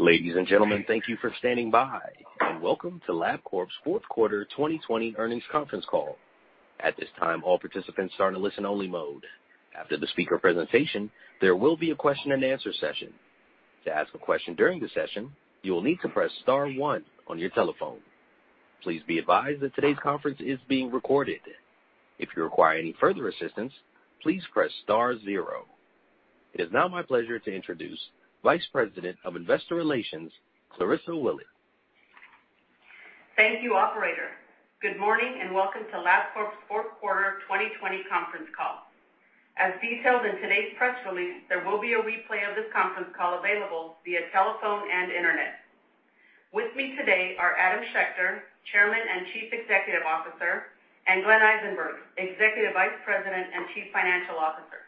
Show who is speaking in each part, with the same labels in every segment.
Speaker 1: Ladies and gentlemen, thank you for standing by, and welcome to Labcorp's fourth quarter 2020 earnings conference call. At this time, all participants are in a listen-only mode. After the speaker presentation, there will be a question-and-answer session. To ask a question during the session, you will need to press star one on your telephone. Please be advised that today's conference is being recorded. If you require any further assistance, please press star zero. It is now my pleasure to introduce Vice President of Investor Relations, Clarissa Willett.
Speaker 2: Thank you, operator. Good morning and welcome to Labcorp's fourth quarter 2020 conference call. As detailed in today's press release, there will be a replay of this conference call available via telephone and internet. With me today are Adam Schechter, Chairman and Chief Executive Officer, and Glenn Eisenberg, Executive Vice President and Chief Financial Officer.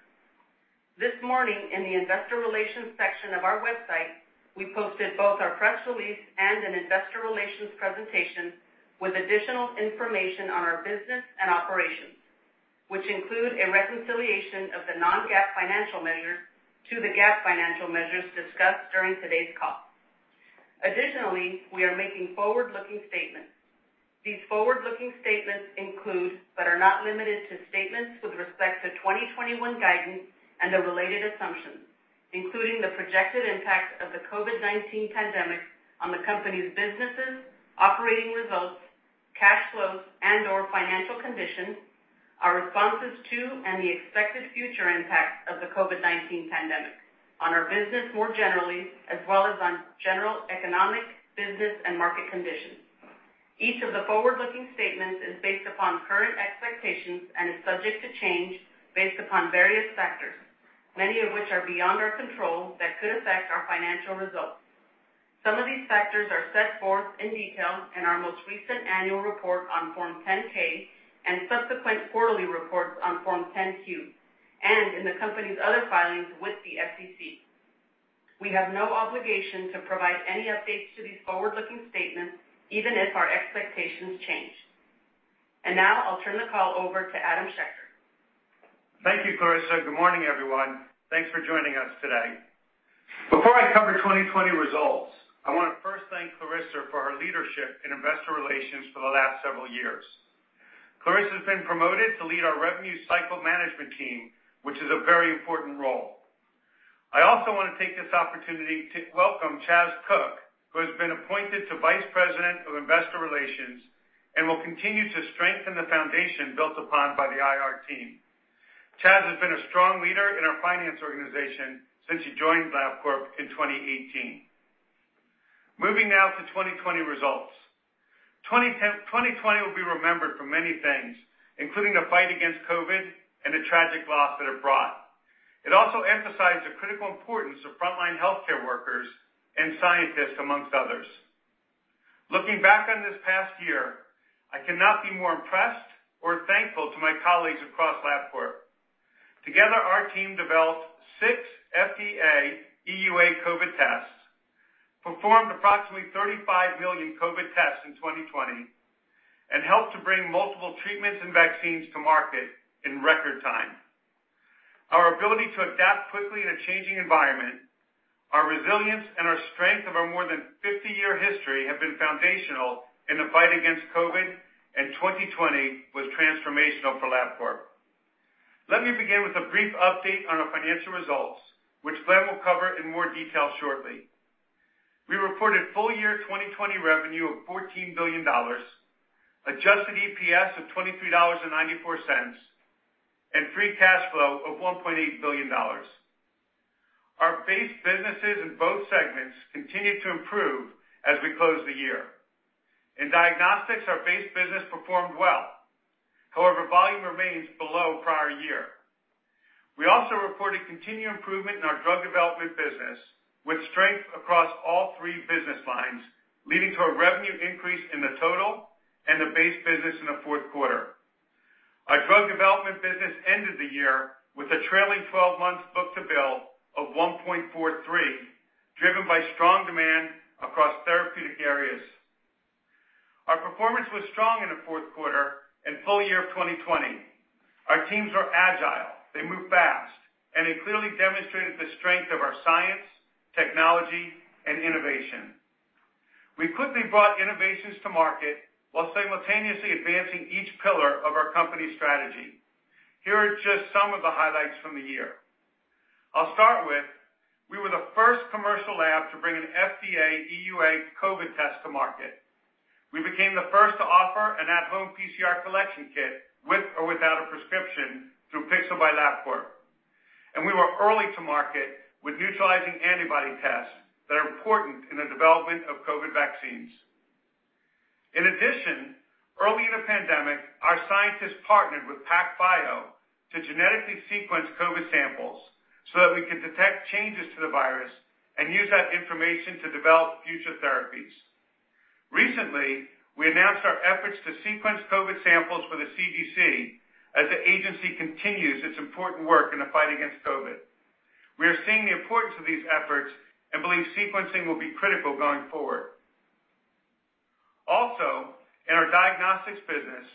Speaker 2: This morning, in the investor relations section of our website, we posted both our press release and an investor relations presentation with additional information on our business and operations, which include a reconciliation of the non-GAAP financial measure to the GAAP financial measures discussed during today's call. Additionally, we are making forward-looking statements. These forward-looking statements include, but are not limited to, statements with respect to 2021 guidance and the related assumptions, including the projected impact of the COVID-19 pandemic on the company's businesses, operating results, cash flows and/or financial conditions, our responses to and the expected future impact of the COVID-19 pandemic on our business more generally, as well as on general economic, business, and market conditions. Each of the forward-looking statements is based upon current expectations and is subject to change based upon various factors, many of which are beyond our control that could affect our financial results. Some of these factors are set forth in detail in our most recent annual report on Form 10-K and subsequent quarterly reports on Form 10-Q, and in the company's other filings with the SEC. We have no obligation to provide any updates to these forward-looking statements, even if our expectations change. Now I'll turn the call over to Adam Schechter.
Speaker 3: Thank you, Clarissa. Good morning, everyone. Thanks for joining us today. Before I cover 2020 results, I want to first thank Clarissa for her leadership in Investor Relations for the last several years. Clarissa has been promoted to lead our Revenue Cycle Management Team, which is a very important role. I also want to take this opportunity to welcome Chas Cook, who has been appointed to Vice President of Investor Relations and will continue to strengthen the foundation built upon by the IR team. Chas has been a strong leader in our finance organization since he joined Labcorp in 2018. Moving now to 2020 results. 2020 will be remembered for many things, including the fight against COVID and the tragic loss that it brought. It also emphasized the critical importance of frontline healthcare workers and scientists, amongst others. Looking back on this past year, I cannot be more impressed or thankful to my colleagues across Labcorp. Together, our team developed six FDA EUA COVID tests, performed approximately 35 million COVID tests in 2020, and helped to bring multiple treatments and vaccines to market in record time. Our ability to adapt quickly in a changing environment, our resilience, and our strength of our more than 50-year history have been foundational in the fight against COVID. 2020 was transformational for Labcorp. Let me begin with a brief update on our financial results, which Glenn will cover in more detail shortly. We reported full-year 2020 revenue of $14 billion, adjusted EPS of $23.94, and free cash flow of $1.8 billion. Our base businesses in both segments continued to improve as we closed the year. In diagnostics, our base business performed well. However, volume remains below prior year. We also reported continued improvement in our drug development business, with strength across all three business lines, leading to a revenue increase in the total and the base business in the fourth quarter. Our drug development business ended the year with a trailing 12 months book-to-bill of 1.43, driven by strong demand across therapeutic areas. Our performance was strong in the fourth quarter and full year of 2020. Our teams are agile, they move fast, and they clearly demonstrated the strength of our science, technology, and innovation. We quickly brought innovations to market while simultaneously advancing each pillar of our company strategy. Here are just some of the highlights from the year. I'll start with, we were the first commercial lab to bring an FDA EUA COVID test to market. We became the first to offer an at-home PCR collection kit with or without a prescription through Pixel by Labcorp. We were early to market with neutralizing antibody tests that are important in the development of COVID vaccines. In addition, early in the pandemic, our scientists partnered with PacBio to genetically sequence COVID samples so that we could detect changes to the virus and use that information to develop future therapies. Recently, we announced our efforts to sequence COVID samples for the CDC as the agency continues its important work in the fight against COVID. We are seeing the importance of these efforts and believe sequencing will be critical going forward. Also, in our diagnostics business,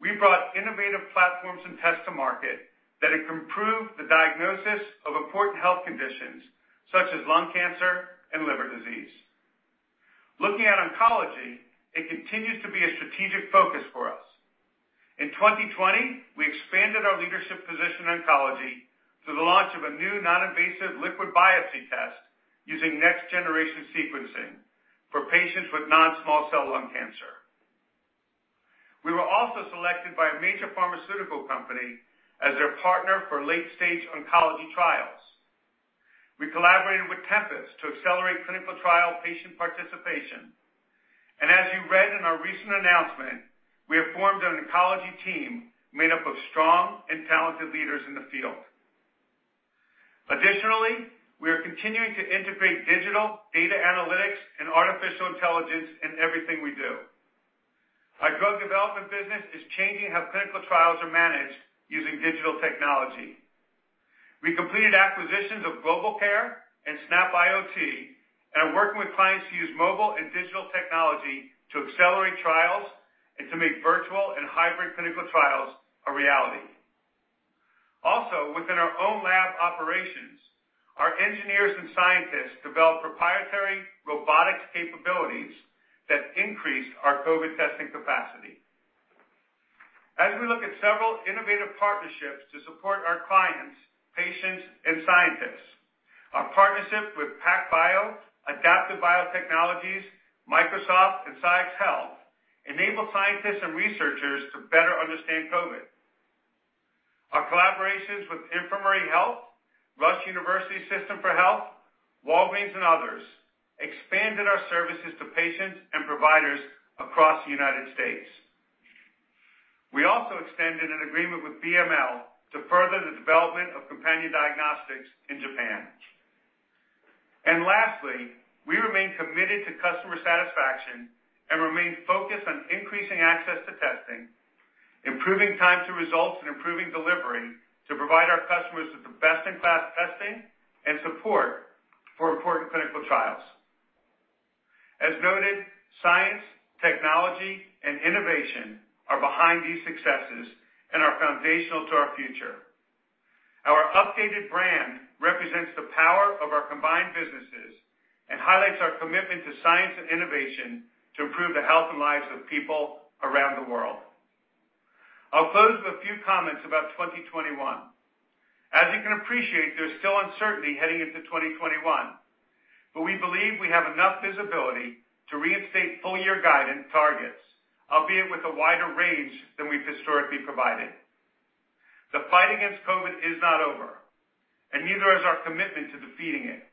Speaker 3: we brought innovative platforms and tests to market that improve the diagnosis of important health conditions such as lung cancer and liver disease. Looking at oncology, it continues to be a strategic focus for us. In 2020, we expanded our leadership position in oncology through the launch of a new non-invasive liquid biopsy test using next-generation sequencing for patients with non-small cell lung cancer. We were also selected by a major pharmaceutical company as their partner for late-stage oncology trials. We collaborated with Tempus to accelerate clinical trial patient participation. As you read in our recent announcement, we have formed an oncology team made up of strong and talented leaders in the field. Additionally, we are continuing to integrate digital data analytics and artificial intelligence in everything we do. Our drug development business is changing how clinical trials are managed using digital technology. We completed acquisitions of GlobalCare and snapIoT and are working with clients to use mobile and digital technology to accelerate trials and to make virtual and hybrid clinical trials a reality. Also, within our own lab operations, our engineers and scientists developed proprietary robotics capabilities that increased our COVID testing capacity. As we look at several innovative partnerships to support our clients, patients, and scientists, our partnership with PacBio, Adaptive Biotechnologies, Microsoft, and Ciox Health enable scientists and researchers to better understand COVID. Our collaborations with Infirmary Health, Rush University System for Health, Walgreens, and others expanded our services to patients and providers across the U.S. We also extended an agreement with BML to further the development of companion diagnostics in Japan. Lastly, we remain committed to customer satisfaction and remain focused on increasing access to testing, improving time to results, and improving delivery to provide our customers with best-in-class testing and support for important clinical trials. As noted, science, technology, and innovation are behind these successes and are foundational to our future. Our updated brand represents the power of our combined businesses and highlights our commitment to science and innovation to improve the health and lives of people around the world. I'll close with a few comments about 2021. As you can appreciate, there's still uncertainty heading into 2021, but we believe we have enough visibility to reinstate full-year guidance targets, albeit with a wider range than we've historically provided. The fight against COVID is not over, and neither is our commitment to defeating it.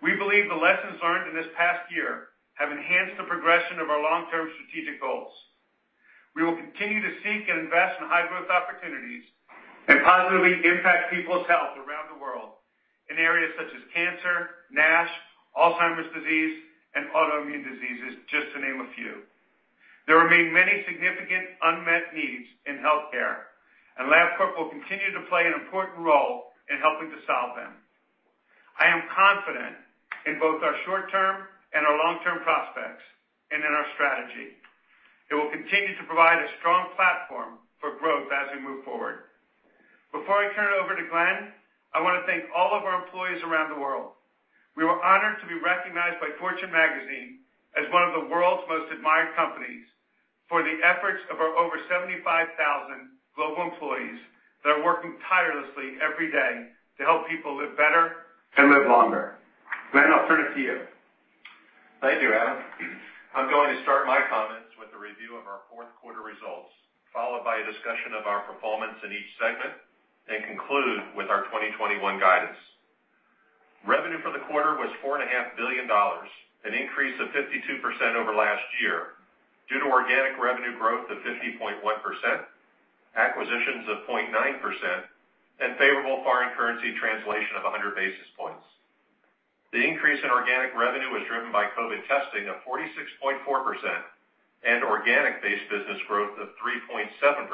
Speaker 3: We believe the lessons learned in this past year have enhanced the progression of our long-term strategic goals. We will continue to seek and invest in high-growth opportunities and positively impact people's health around the world in areas such as cancer, NASH, Alzheimer's disease, and autoimmune diseases, just to name a few. There remain many significant unmet needs in healthcare. Labcorp will continue to play an important role in helping to solve them. I am confident in both our short-term and our long-term prospects, and in our strategy. It will continue to provide a strong platform for growth as we move forward. Before I turn it over to Glenn, I want to thank all of our employees around the world. We were honored to be recognized by Fortune Magazine as one of the world's most admired companies for the efforts of our over 75,000 global employees that are working tirelessly every day to help people live better and live longer. Glenn, I'll turn it to you.
Speaker 4: Thank you, Adam. I'm going to start my comments with a review of our fourth quarter results, followed by a discussion of our performance in each segment, then conclude with our 2021 guidance. Revenue for the quarter was $4.5 billion, an increase of 52% over last year due to organic revenue growth of 50.1%, acquisitions of 0.9%, and favorable foreign currency translation of 100 basis points. The increase in organic revenue was driven by COVID testing of 46.4% and organic base business growth of 3.7%,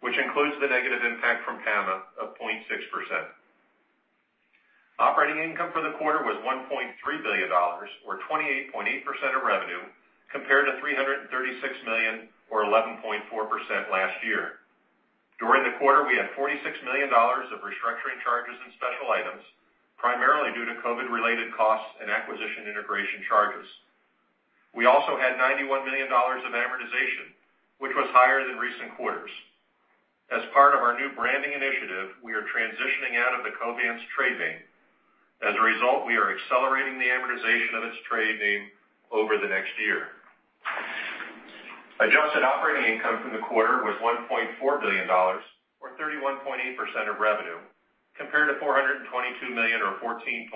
Speaker 4: which includes the negative impact from PAMA of 0.6%. Operating income for the quarter was $1.3 billion, or 28.8% of revenue, compared to $336 million, or 11.4% last year. During the quarter, we had $46 million of restructuring charges and special items, primarily due to COVID-related costs and acquisition integration charges. We also had $91 million of amortization, which was higher than recent quarters. As part of our new branding initiative, we are transitioning out of the Covance trade name. As a result, we are accelerating the amortization of its trade name over the next year. Adjusted operating income from the quarter was $1.4 billion, or 31.8% of revenue, compared to $422 million, or 14.3%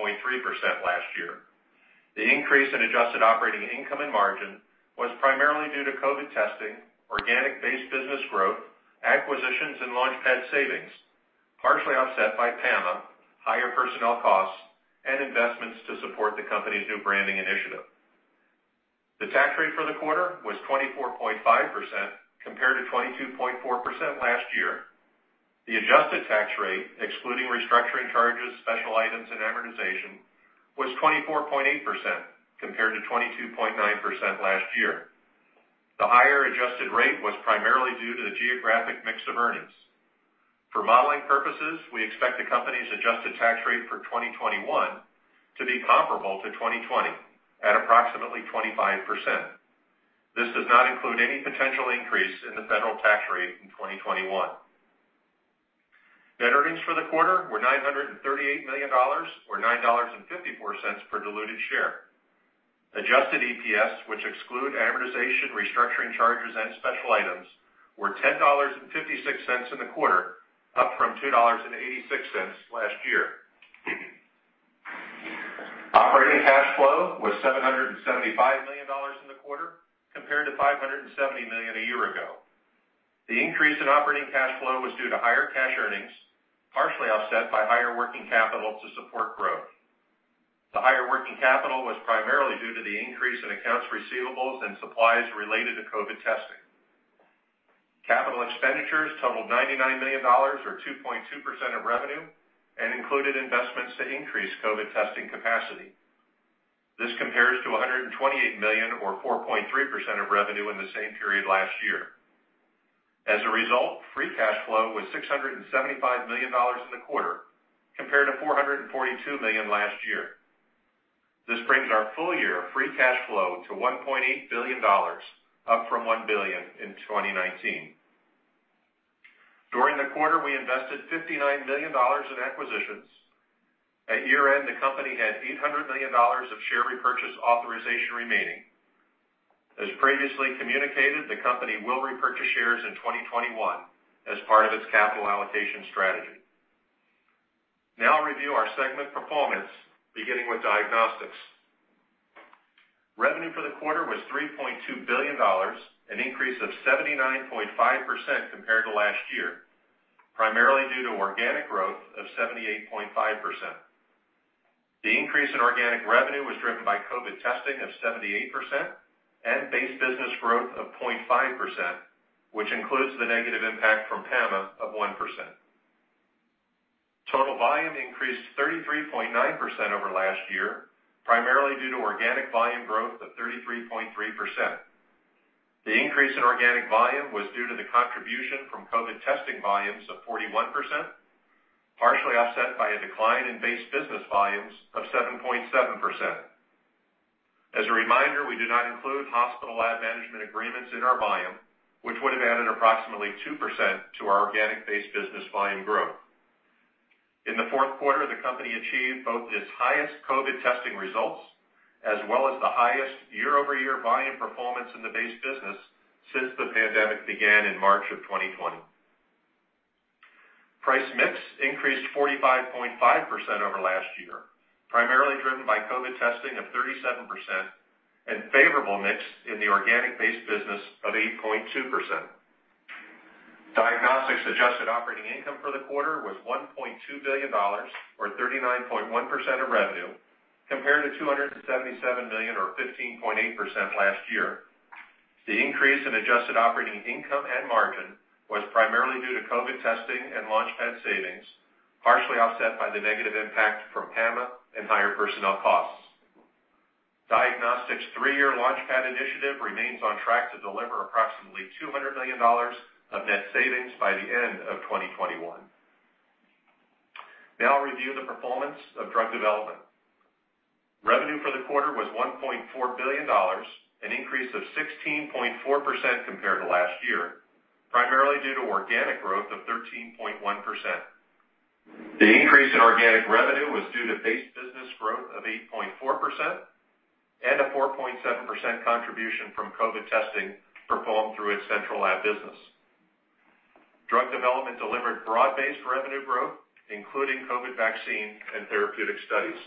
Speaker 4: last year. The increase in adjusted operating income and margin was primarily due to COVID testing, organic base business growth, acquisitions, and LaunchPad savings, partially offset by PAMA, higher personnel costs, and investments to support the company's new branding initiative. The tax rate for the quarter was 24.5% compared to 22.4% last year. The adjusted tax rate, excluding restructuring charges, special items, and amortization, was 24.8% compared to 22.9% last year. The higher adjusted rate was primarily due to the geographic mix of earnings. For modeling purposes, we expect the company's adjusted tax rate for 2021 to be comparable to 2020 at approximately 25%. This does not include any potential increase in the federal tax rate in 2021. Net earnings for the quarter were $938 million, or $9.54 per diluted share. Adjusted EPS, which exclude amortization, restructuring charges, and special items, were $10.56 in the quarter, up from $2.86 last year. Operating cash flow was $775 million in the quarter, compared to $570 million a year ago. The increase in operating cash flow was due to higher cash earnings, partially offset by higher working capital to support growth. The higher working capital was primarily due to the increase in accounts receivables and supplies related to COVID testing. Capital expenditures totaled $99 million, or 2.2% of revenue, and included investments to increase COVID testing capacity. This compares to $128 million or 4.3% of revenue in the same period last year. As a result, free cash flow was $675 million in the quarter, compared to $442 million last year. This brings our full year free cash flow to $1.8 billion, up from $1 billion in 2019. During the quarter, we invested $59 million in acquisitions. At year-end, the company had $800 million of share repurchase authorization remaining. As previously communicated, the company will repurchase shares in 2021 as part of its capital allocation strategy. Now I'll review our segment performance, beginning with diagnostics. Revenue for the quarter was $3.2 billion, an increase of 79.5% compared to last year, primarily due to organic growth of 78.5%. The increase in organic revenue was driven by COVID testing of 78% and base business growth of 0.5%, which includes the negative impact from PAMA of 1%. Total volume increased 33.9% over last year, primarily due to organic volume growth of 33.3%. The increase in organic volume was due to the contribution from COVID testing volumes of 41%, partially offset by a decline in base business volumes of 7.7%. As a reminder, we do not include hospital lab management agreements in our volume, which would have added approximately 2% to our organic base business volume growth. In the fourth quarter, the company achieved both its highest COVID testing results, as well as the highest year-over-year volume performance in the base business since the pandemic began in March of 2020. Price mix increased 45.5% over last year, primarily driven by COVID testing of 37% and favorable mix in the organic base business of 8.2%. Diagnostics adjusted operating income for the quarter was $1.2 billion or 39.1% of revenue, compared to $277 million or 15.8% last year. The increase in adjusted operating income and margin was primarily due to COVID testing and LaunchPad savings, partially offset by the negative impact from PAMA and higher personnel costs. Diagnostics' three-year LaunchPad initiative remains on track to deliver approximately $200 million of net savings by the end of 2021. I'll review the performance of Drug Development. Revenue for the quarter was $1.4 billion, an increase of 16.4% compared to last year, primarily due to organic growth of 13.1%. The increase in organic revenue was due to base business growth of 8.4% and a 4.7% contribution from COVID testing performed through its central lab business. Drug Development delivered broad-based revenue growth, including COVID vaccine and therapeutic studies.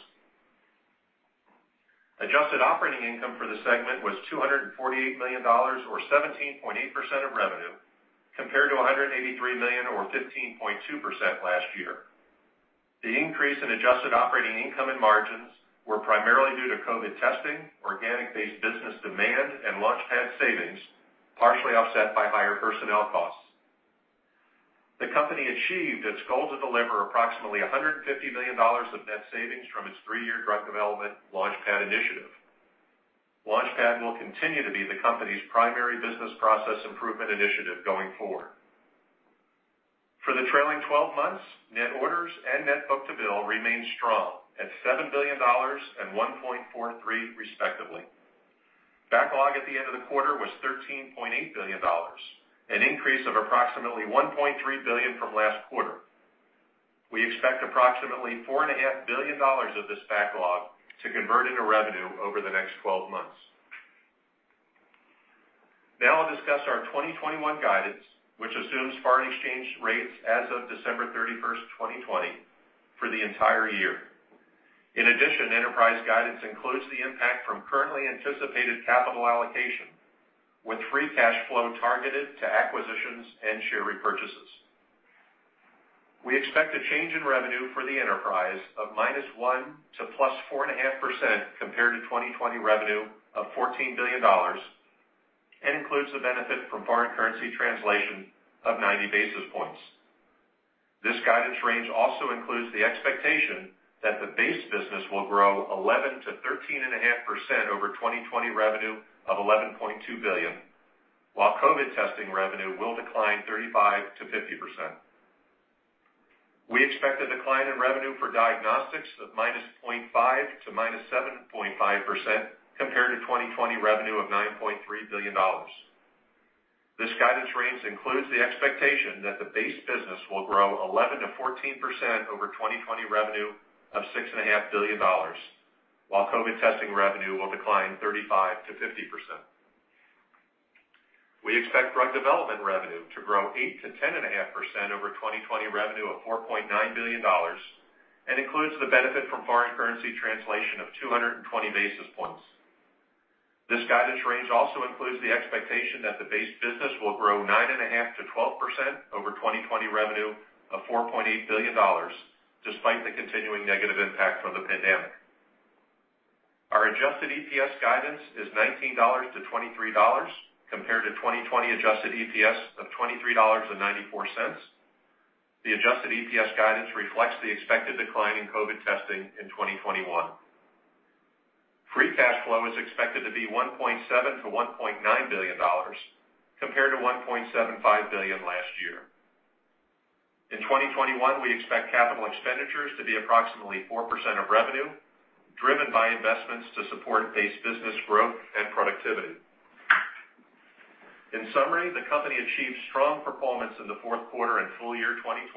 Speaker 4: Adjusted operating income for the segment was $248 million, or 17.8% of revenue, compared to $183 million or 15.2% last year. The increase in adjusted operating income and margins were primarily due to COVID testing, organic base business demand, and LaunchPad savings, partially offset by higher personnel costs. The company achieved its goal to deliver approximately $150 million of net savings from its three-year drug development LaunchPad initiative. LaunchPad will continue to be the company's primary business process improvement initiative going forward. For the trailing 12 months, net orders and net book-to-bill remained strong at $7 billion and 1.43 respectively. Backlog at the end of the quarter was $13.8 billion, an increase of approximately $1.3 billion from last quarter. We expect approximately $4.5 billion of this backlog to convert into revenue over the next 12 months. Now I'll discuss our 2021 guidance, which assumes foreign exchange rates as of December 31st, 2020, for the entire year. In addition, enterprise guidance includes the impact from currently anticipated capital allocation, with free cash flow targeted to acquisitions and share repurchases. We expect a change in revenue for the enterprise of -1% to +4.5% compared to 2020 revenue of $14 billion. It includes the benefit from foreign currency translation of 90 basis points. This guidance range also includes the expectation that the base business will grow 11%-13.5% over 2020 revenue of $11.2 billion, while COVID testing revenue will decline 35%-50%. We expect a decline in revenue for diagnostics of -0.5% to -7.5% compared to 2020 revenue of $9.3 billion. This guidance range includes the expectation that the base business will grow 11%-14% over 2020 revenue of $6.5 billion, while COVID testing revenue will decline 35%-50%. We expect drug development revenue to grow 8%-10.5% over 2020 revenue of $4.9 billion, and includes the benefit from foreign currency translation of 220 basis points. This guidance range also includes the expectation that the base business will grow 9.5%-12% over 2020 revenue of $4.8 billion, despite the continuing negative impact from the pandemic. Our adjusted EPS guidance is $19-$23, compared to 2020 adjusted EPS of $23.94. The adjusted EPS guidance reflects the expected decline in COVID testing in 2021. Free cash flow is expected to be $1.7 billion-$1.9 billion, compared to $1.75 billion last year. In 2021, we expect capital expenditures to be approximately 4% of revenue, driven by investments to support base business growth and productivity. In summary, the company achieved strong performance in the fourth quarter and full year 2020.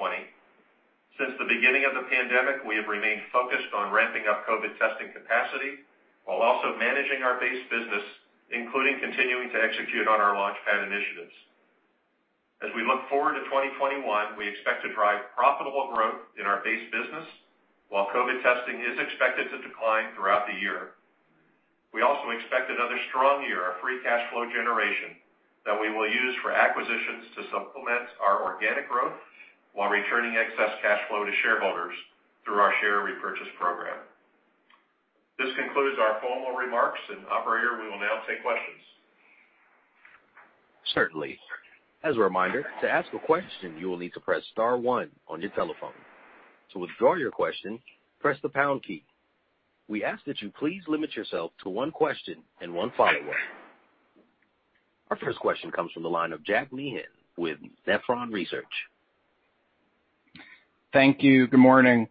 Speaker 4: Since the beginning of the pandemic, we have remained focused on ramping up COVID testing capacity while also managing our base business, including continuing to execute on our LaunchPad initiatives. As we look forward to 2021, we expect to drive profitable growth in our base business while COVID testing is expected to decline throughout the year. We also expect another strong year of free cash flow generation that we will use for acquisitions to supplement our organic growth while returning excess cash flow to shareholders through our share repurchase program. This concludes our formal remarks. Operator, we will now take questions.
Speaker 1: Certainly. As a reminder, to ask a question you will need to press star one on your telephone. To withdraw your question, press the pound key. We ask that you please limit yourself to one question and one follow-up. Our first question comes from the line of Jack Meehan with Nephron Research.
Speaker 5: Thank you. Good morning.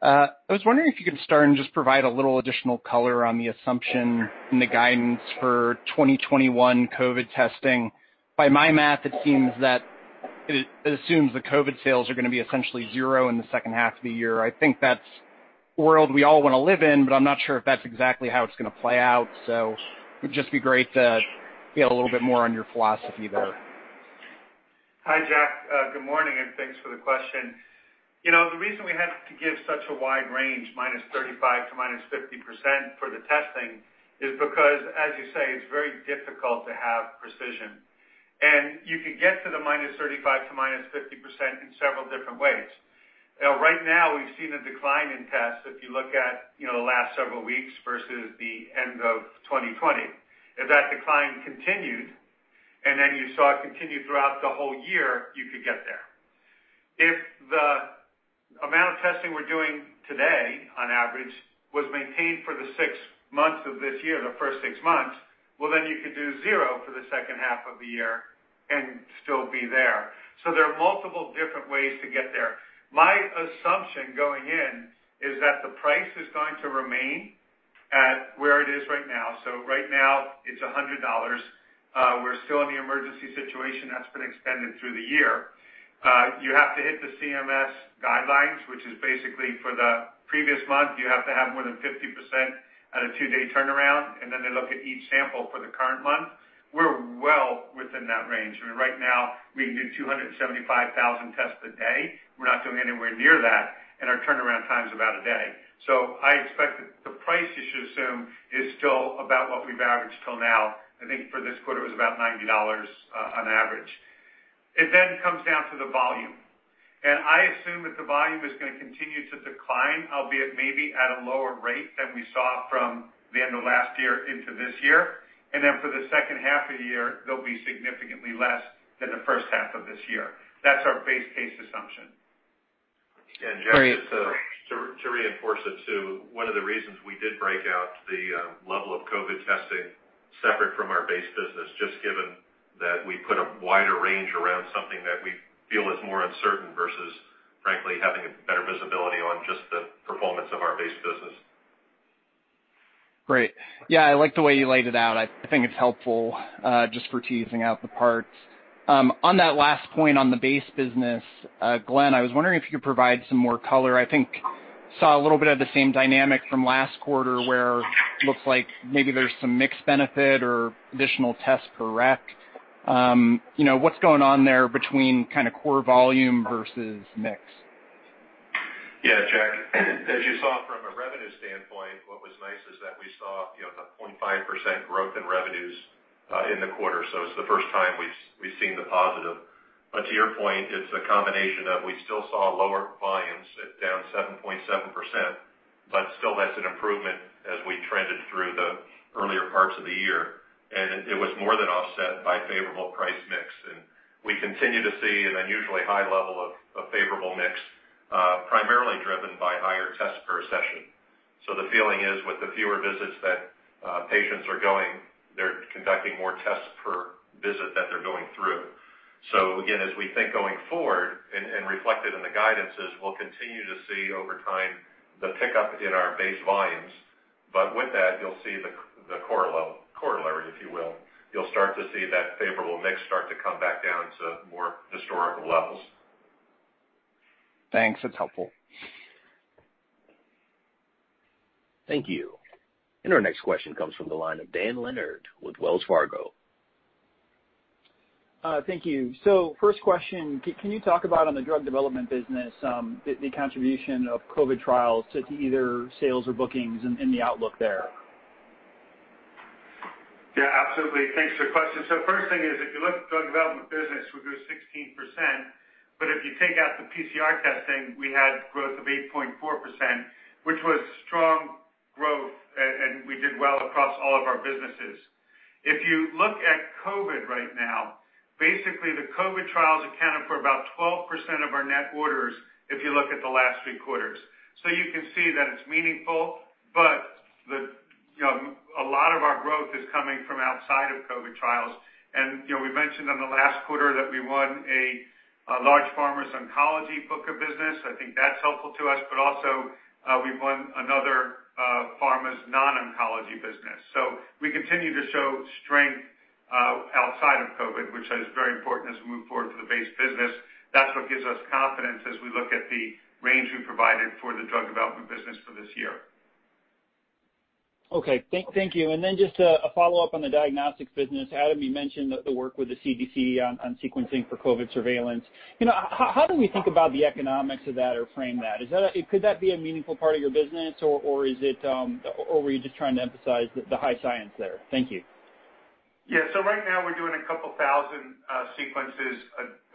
Speaker 5: I was wondering if you could start and just provide a little additional color on the assumption in the guidance for 2021 COVID testing. By my math, it seems that it assumes the COVID sales are going to be essentially zero in the second half of the year. I think that's the world we all want to live in, I'm not sure if that's exactly how it's going to play out. It'd just be great to get a little bit more on your philosophy there.
Speaker 3: Hi, Jack. Good morning. Thanks for the question. The reason we have to give such a wide range, -35% to -50%, for the testing is because, as you say, it's very difficult to have precision. You could get to the -35% to -50% in several different ways. Right now, we've seen a decline in tests, if you look at the last several weeks versus the end of 2020. If that decline continued, then you saw it continue throughout the whole year, you could get there. If the amount of testing we're doing today, on average, was maintained for the six months of this year, the first six months, well, then you could do zero for the second half of the year and still be there. There are multiple different ways to get there. My assumption going in is that the price is going to remain at where it is right now. Right now it's $100. We're still in the emergency situation that's been extended through the year. You have to hit the CMS guidelines, which is basically for the previous month, you have to have more than 50% at a two-day turnaround, and then they look at each sample for the current month. We're well within that range. I mean, right now we can do 275,000 tests a day. We're not doing anywhere near that. Our turnaround time's about a day. I expect that the price you should assume is still about what we've averaged till now. I think for this quarter it was about $90 on average. It then comes down to the volume. I assume that the volume is going to continue to decline, albeit maybe at a lower rate than we saw from the end of last year into this year. For the second half of the year, they'll be significantly less than the first half of this year. That's our base case assumption.
Speaker 5: Great.
Speaker 4: Jack, just to reinforce it, too, one of the reasons we did break out the level of COVID testing separate from our base business, just given that we put a wider range around something that we feel is more uncertain versus, frankly, having a better visibility on just the performance of our base business.
Speaker 5: Great. Yeah, I like the way you laid it out. I think it's helpful just for teasing out the parts. On that last point on the base business, Glenn, I was wondering if you could provide some more color. I think I saw a little bit of the same dynamic from last quarter where looks like maybe there's some mix benefit or additional tests per req. What's going on there between core volume versus mix?
Speaker 4: Yeah, Jack. As you saw from a revenue standpoint, what was nice is that we saw the 0.5% growth in revenues in the quarter. It's the first time we've seen the positive. To your point, it's a combination of, we still saw lower volumes at down 7.7%, but still that's an improvement as we trended through the earlier parts of the year. It was more than offset by favorable price mix. We continue to see an unusually high level of favorable mix, primarily driven by higher tests per session. The feeling is with the fewer visits that patients are going, they're conducting more tests per visit that they're going through. Again, as we think going forward and reflected in the guidance, is we'll continue to see over time the pickup in our base volumes. With that, you'll see the corollary, if you will. You'll start to see that favorable mix start to come back down to more historical levels.
Speaker 5: Thanks. That's helpful.
Speaker 1: Thank you. Our next question comes from the line of Dan Leonard with Wells Fargo.
Speaker 6: Thank you. First question, can you talk about on the drug development business, the contribution of COVID trials to either sales or bookings and the outlook there?
Speaker 3: Absolutely. Thanks for the question. First thing is, if you look at drug development business, we grew 16%, but if you take out the PCR testing, we had growth of 8.4%, which was strong growth, and we did well across all of our businesses. If you look at COVID right now, basically the COVID trials accounted for about 12% of our net orders if you look at the last three quarters. You can see that it's meaningful, but a lot of our growth is coming from outside of COVID trials. We mentioned in the last quarter that we won a large pharma's oncology book of business. I think that's helpful to us, but also, we've won another pharma's non-oncology business. We continue to show strength outside of COVID, which is very important as we move forward for the base business. That's what gives us confidence as we look at the range we provided for the drug development business for this year.
Speaker 6: Okay. Thank you. Just a follow-up on the diagnostics business. Adam, you mentioned the work with the CDC on sequencing for COVID surveillance. How do we think about the economics of that or frame that? Could that be a meaningful part of your business, or were you just trying to emphasize the high science there? Thank you.
Speaker 3: Yeah. Right now we're doing a couple thousand sequences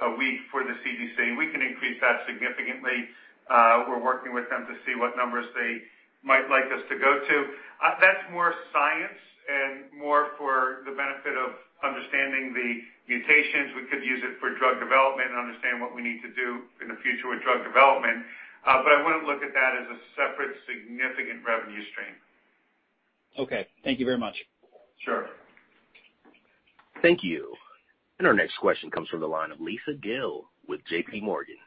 Speaker 3: a week for the CDC. We can increase that significantly. We're working with them to see what numbers they might like us to go to. That's more science and more for the benefit of understanding the mutations. We could use it for drug development and understand what we need to do in the future with drug development. I wouldn't look at that as a separate, significant revenue stream.
Speaker 6: Okay. Thank you very much.
Speaker 3: Sure.
Speaker 1: Thank you. Our next question comes from the line of Lisa Gill with JPMorgan.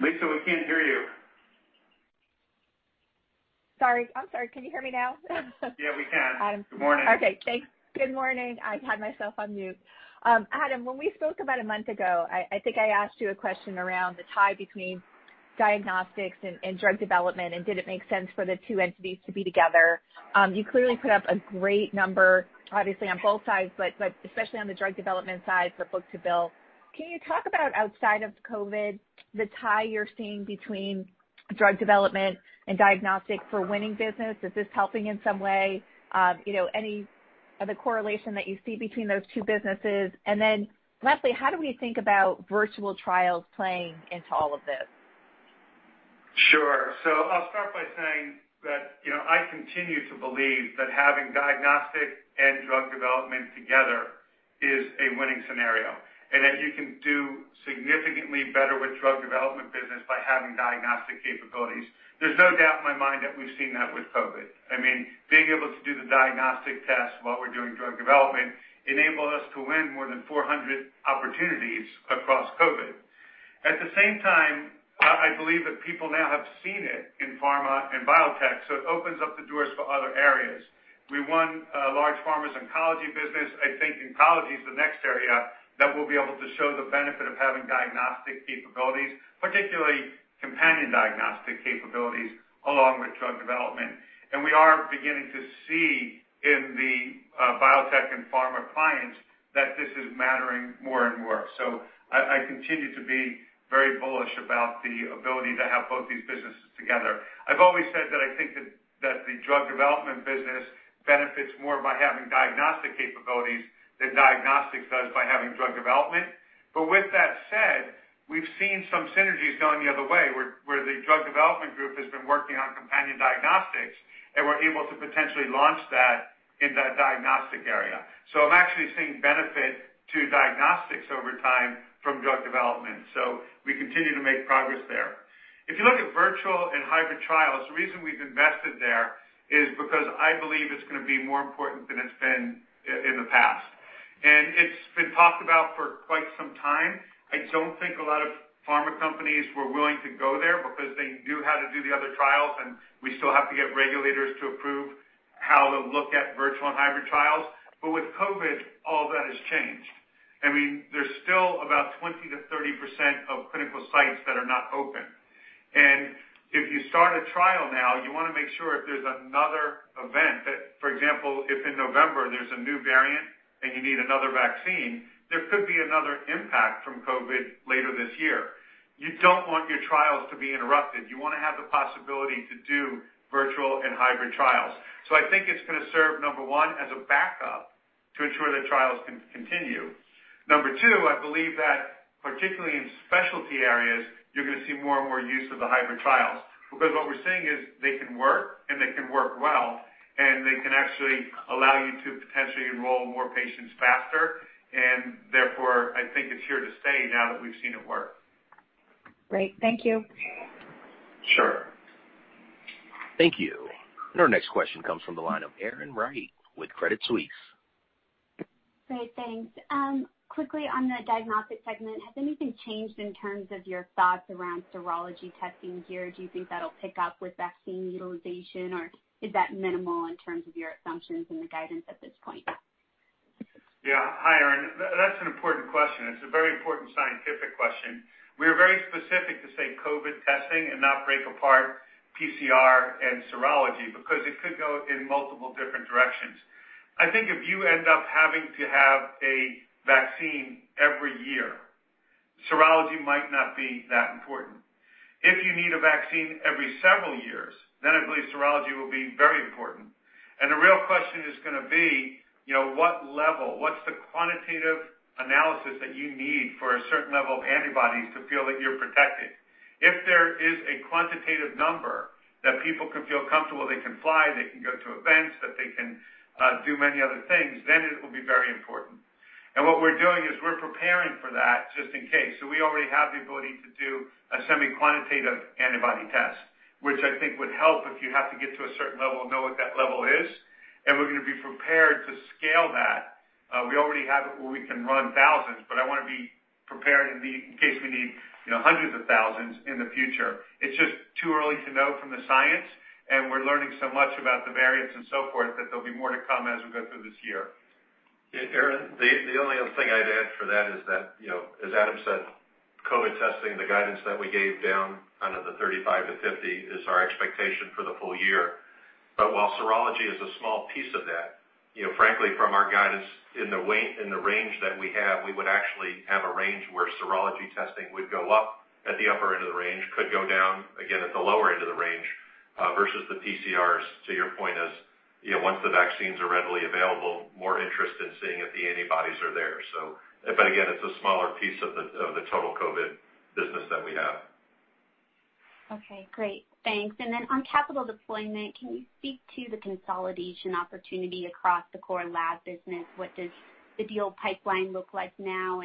Speaker 3: Lisa, we can't hear you.
Speaker 7: I'm sorry. Can you hear me now?
Speaker 3: Yeah, we can. Good morning.
Speaker 7: Okay, thanks. Good morning. I had myself on mute. Adam, when we spoke about a month ago, I think I asked you a question around the tie between diagnostics and drug development, and did it make sense for the two entities to be together. You clearly put up a great number, obviously on both sides, but especially on the drug development side for book-to-bill. Can you talk about, outside of COVID, the tie you're seeing between drug development and diagnostic for winning business? Is this helping in some way? Any other correlation that you see between those two businesses? Lastly, how do we think about virtual trials playing into all of this?
Speaker 3: Sure. I'll start by saying that I continue to believe that having diagnostic and drug development together is a winning scenario, and that you can do significantly better with drug development business by having diagnostic capabilities. There's no doubt in my mind that we've seen that with COVID. Being able to do the diagnostic test while we're doing drug development enabled us to win more than 400 opportunities across COVID. At the same time, I believe that people now have seen it in pharma and biotech. It opens up the doors for other areas. We won a large pharma's oncology business. I think oncology is the next area that we'll be able to show the benefit of having diagnostic capabilities, particularly companion diagnostic capabilities, along with drug development. We are beginning to see in the biotech and pharma clients that this is mattering more and more. I continue to be very bullish about the ability to have both these businesses together. I've always said that I think that the drug development business benefits more by having diagnostic capabilities than diagnostics does by having drug development. With that said, we've seen some synergies going the other way, where the drug development group has been working on companion diagnostics, and we're able to potentially launch that in the diagnostic area. I'm actually seeing benefit to diagnostics over time from drug development. We continue to make progress there. If you look at virtual and hybrid trials, the reason we've invested there is because I believe it's going to be more important than it's been in the past. It's been talked about for quite some time. I don't think a lot of pharma companies were willing to go there because they knew how to do the other trials, and we still have to get regulators to approve how they'll look at virtual and hybrid trials. With COVID, all that has changed. There's still about 20%-30% of clinical sites that are not open. If you start a trial now, you want to make sure if there's another event that, for example, if in November there's a new variant and you need another vaccine, there could be another impact from COVID later this year. You don't want your trials to be interrupted. You want to have the possibility to do virtual and hybrid trials. I think it's going to serve, number one, as a backup To ensure that trials can continue. Number two, I believe that particularly in specialty areas, you're going to see more and more use of the hybrid trials. What we're seeing is they can work, and they can work well, and they can actually allow you to potentially enroll more patients faster. Therefore, I think it's here to stay now that we've seen it work.
Speaker 7: Great. Thank you.
Speaker 3: Sure.
Speaker 1: Thank you. Our next question comes from the line of Erin Wright with Credit Suisse.
Speaker 8: Great, thanks. Quickly on the diagnostic segment, has anything changed in terms of your thoughts around serology testing here? Do you think that'll pick up with vaccine utilization, or is that minimal in terms of your assumptions and the guidance at this point?
Speaker 3: Yeah. Hi, Erin. That's an important question. It's a very important scientific question. We are very specific to say COVID testing and not break apart PCR and serology, because it could go in multiple different directions. I think if you end up having to have a vaccine every year, serology might not be that important. If you need a vaccine every several years, I believe serology will be very important. The real question is going to be, what level, what's the quantitative analysis that you need for a certain level of antibodies to feel that you're protected? If there is a quantitative number that people can feel comfortable, they can fly, they can go to events, that they can do many other things, then it will be very important. What we're doing is we're preparing for that just in case. We already have the ability to do a semi-quantitative antibody test, which I think would help if you have to get to a certain level and know what that level is. We're going to be prepared to scale that. We already have it where we can run thousands, but I want to be prepared in case we need hundreds of thousands in the future. It's just too early to know from the science, and we're learning so much about the variants and so forth, that there'll be more to come as we go through this year.
Speaker 4: Yeah, Erin, the only other thing I'd add for that is that, as Adam said, COVID testing, the guidance that we gave down under the 35%-50% is our expectation for the full year. While serology is a small piece of that, frankly, from our guidance in the range that we have, we would actually have a range where serology testing would go up at the upper end of the range, could go down, again, at the lower end of the range, versus the PCRs. To your point as, once the vaccines are readily available, more interest in seeing if the antibodies are there. Again, it's a smaller piece of the total COVID business that we have.
Speaker 8: Okay, great. Thanks. On capital deployment, can you speak to the consolidation opportunity across the core lab business? What does the deal pipeline look like now?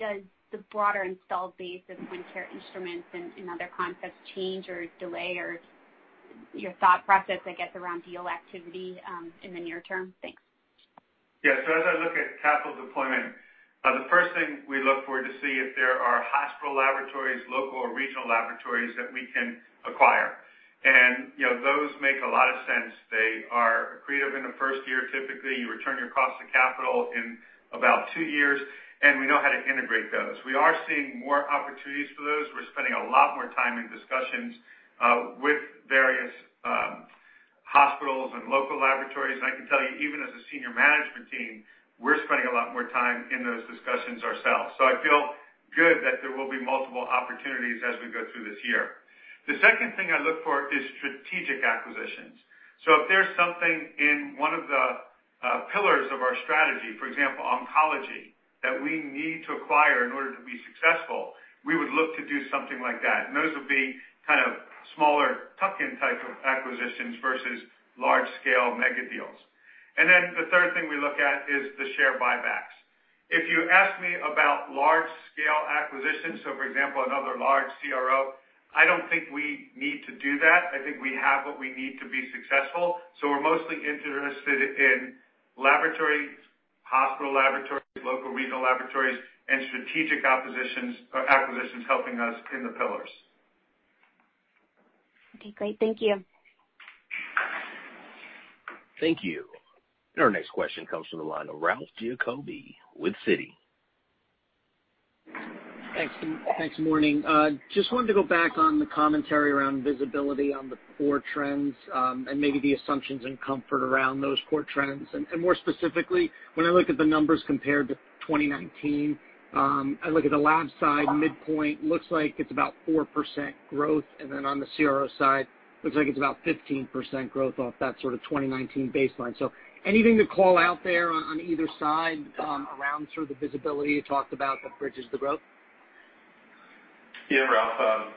Speaker 8: Does the broader installed base of point-of-care instruments and other concepts change or delay your thought process, I guess, around deal activity in the near term? Thanks.
Speaker 3: Yeah. As I look at capital deployment, the first thing we look for to see if there are hospital laboratories, local or regional laboratories that we can acquire. Those make a lot of sense. They are accretive in the first year, typically. You return your cost of capital in about two years, and we know how to integrate those. We are seeing more opportunities for those. We're spending a lot more time in discussions with various hospitals and local laboratories. I can tell you, even as a senior management team, we're spending a lot more time in those discussions ourselves. I feel good that there will be multiple opportunities as we go through this year. The second thing I look for is strategic acquisitions. If there's something in one of the pillars of our strategy, for example, oncology, that we need to acquire in order to be successful, we would look to do something like that. Those would be kind of smaller tuck-in type of acquisitions versus large-scale mega deals. The third thing we look at is the share buybacks. If you ask me about large-scale acquisitions, for example, another large CRO, I don't think we need to do that. I think we have what we need to be successful. We're mostly interested in laboratories, hospital laboratories, local regional laboratories, and strategic acquisitions helping us in the pillars.
Speaker 8: Okay, great. Thank you.
Speaker 1: Thank you. Our next question comes from the line of Ralph Giacobbe with Citi.
Speaker 9: Thanks. Thanks, morning. Just wanted to go back on the commentary around visibility on the core trends, and maybe the assumptions and comfort around those core trends. More specifically, when I look at the numbers compared to 2019, I look at the lab side midpoint, looks like it's about 4% growth. Then on the CRO side, looks like it's about 15% growth off that sort of 2019 baseline. Anything to call out there on either side around sort of the visibility you talked about that bridges the growth?
Speaker 4: Yeah, Ralph.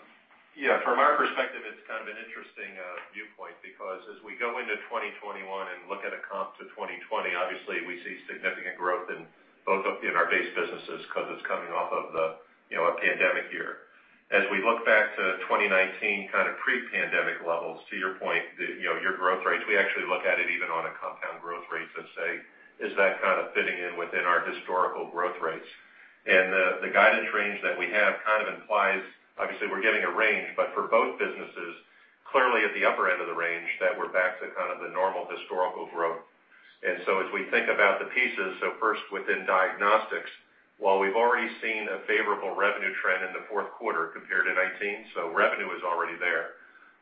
Speaker 4: From our perspective, it's kind of an interesting viewpoint because as we go into 2021 and look at a comp to 2020, obviously we see significant growth in both of our base businesses because it's coming off of a pandemic year. As we look back to 2019 kind of pre-pandemic levels, to your point, your growth rates, we actually look at it even on a compound growth rate to say, "Is that kind of fitting in within our historical growth rates?" The guidance range that we have kind of implies, obviously, we're giving a range. For both businesses, clearly at the upper end of the range, that we're back to kind of the normal historical growth. As we think about the pieces, first within diagnostics, while we've already seen a favorable revenue trend in the fourth quarter compared to 2019, revenue is already there,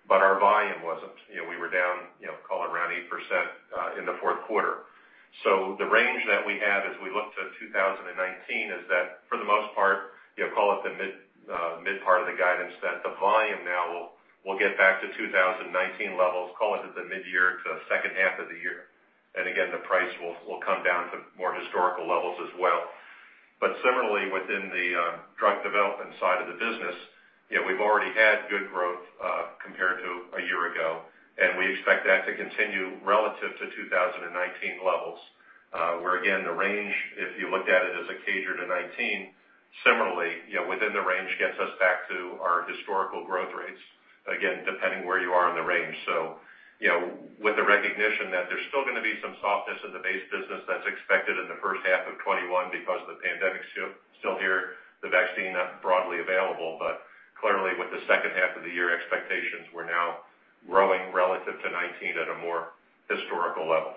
Speaker 4: but our volume wasn't. We were down call it around 8% in the fourth quarter. The range that we have as we look to 2019 is that for the most part, call it the mid part of the guidance, that the volume now will get back to 2019 levels, call it at the mid-year to second half of the year. Again, the price will come down to more historical levels as well. Similarly, within the drug development side of the business, we've already had good growth compared to a year ago, and we expect that to continue relative to 2019 levels, where again, the range, if you looked at it as a CAGR to 2019, similarly, within the range gets us back to our historical growth rates, again, depending where you are in the range. With the recognition that there's still going to be some softness in the base business that's expected in the first half of 2021 because the pandemic's still here, the vaccine not broadly available. Clearly with the second half of the year expectations, we're now growing relative to 2019 at a more historical level.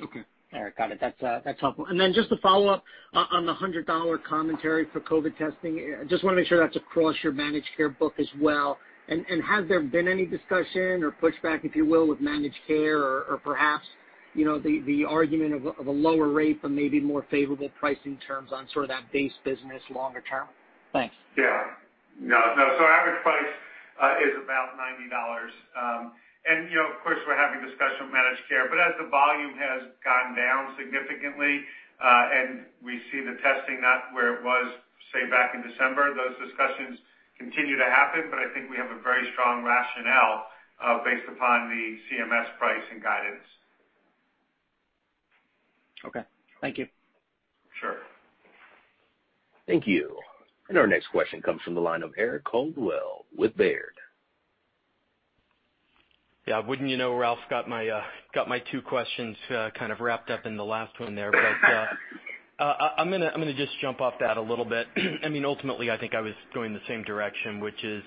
Speaker 9: Okay. All right. Got it. That's helpful. Then just to follow up on the $100 commentary for COVID testing, I just want to make sure that's across your managed care book as well. Has there been any discussion or pushback, if you will, with managed care or perhaps, the argument of a lower rate but maybe more favorable pricing terms on sort of that base business longer term? Thanks.
Speaker 3: Yeah. No. Average price is about $90. Of course, we're having discussion with managed care, but as the volume has gotten down significantly, and we see the testing not where it was, say, back in December, those discussions continue to happen. I think we have a very strong rationale, based upon the CMS pricing guidance.
Speaker 9: Okay. Thank you.
Speaker 3: Sure.
Speaker 1: Thank you. Our next question comes from the line of Eric Coldwell with Baird.
Speaker 10: Wouldn't you know, Ralph's got my two questions kind of wrapped up in the last one there. I'm going to just jump off that a little bit. Ultimately, I think I was going the same direction, which is,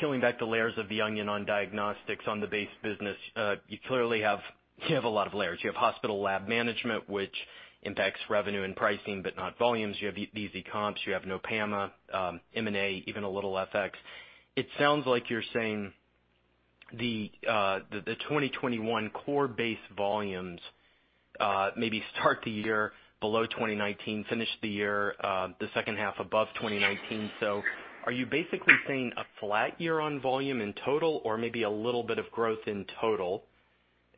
Speaker 10: peeling back the layers of the onion on diagnostics on the base business. You clearly have a lot of layers. You have hospital lab management, which impacts revenue and pricing, but not volumes. You have easy comps, you have no PAMA, M&A, even a little FX. It sounds like you're saying the 2021 core base volumes maybe start the year below 2019, finish the year, the second half above 2019. Are you basically saying a flat year on volume in total or maybe a little bit of growth in total?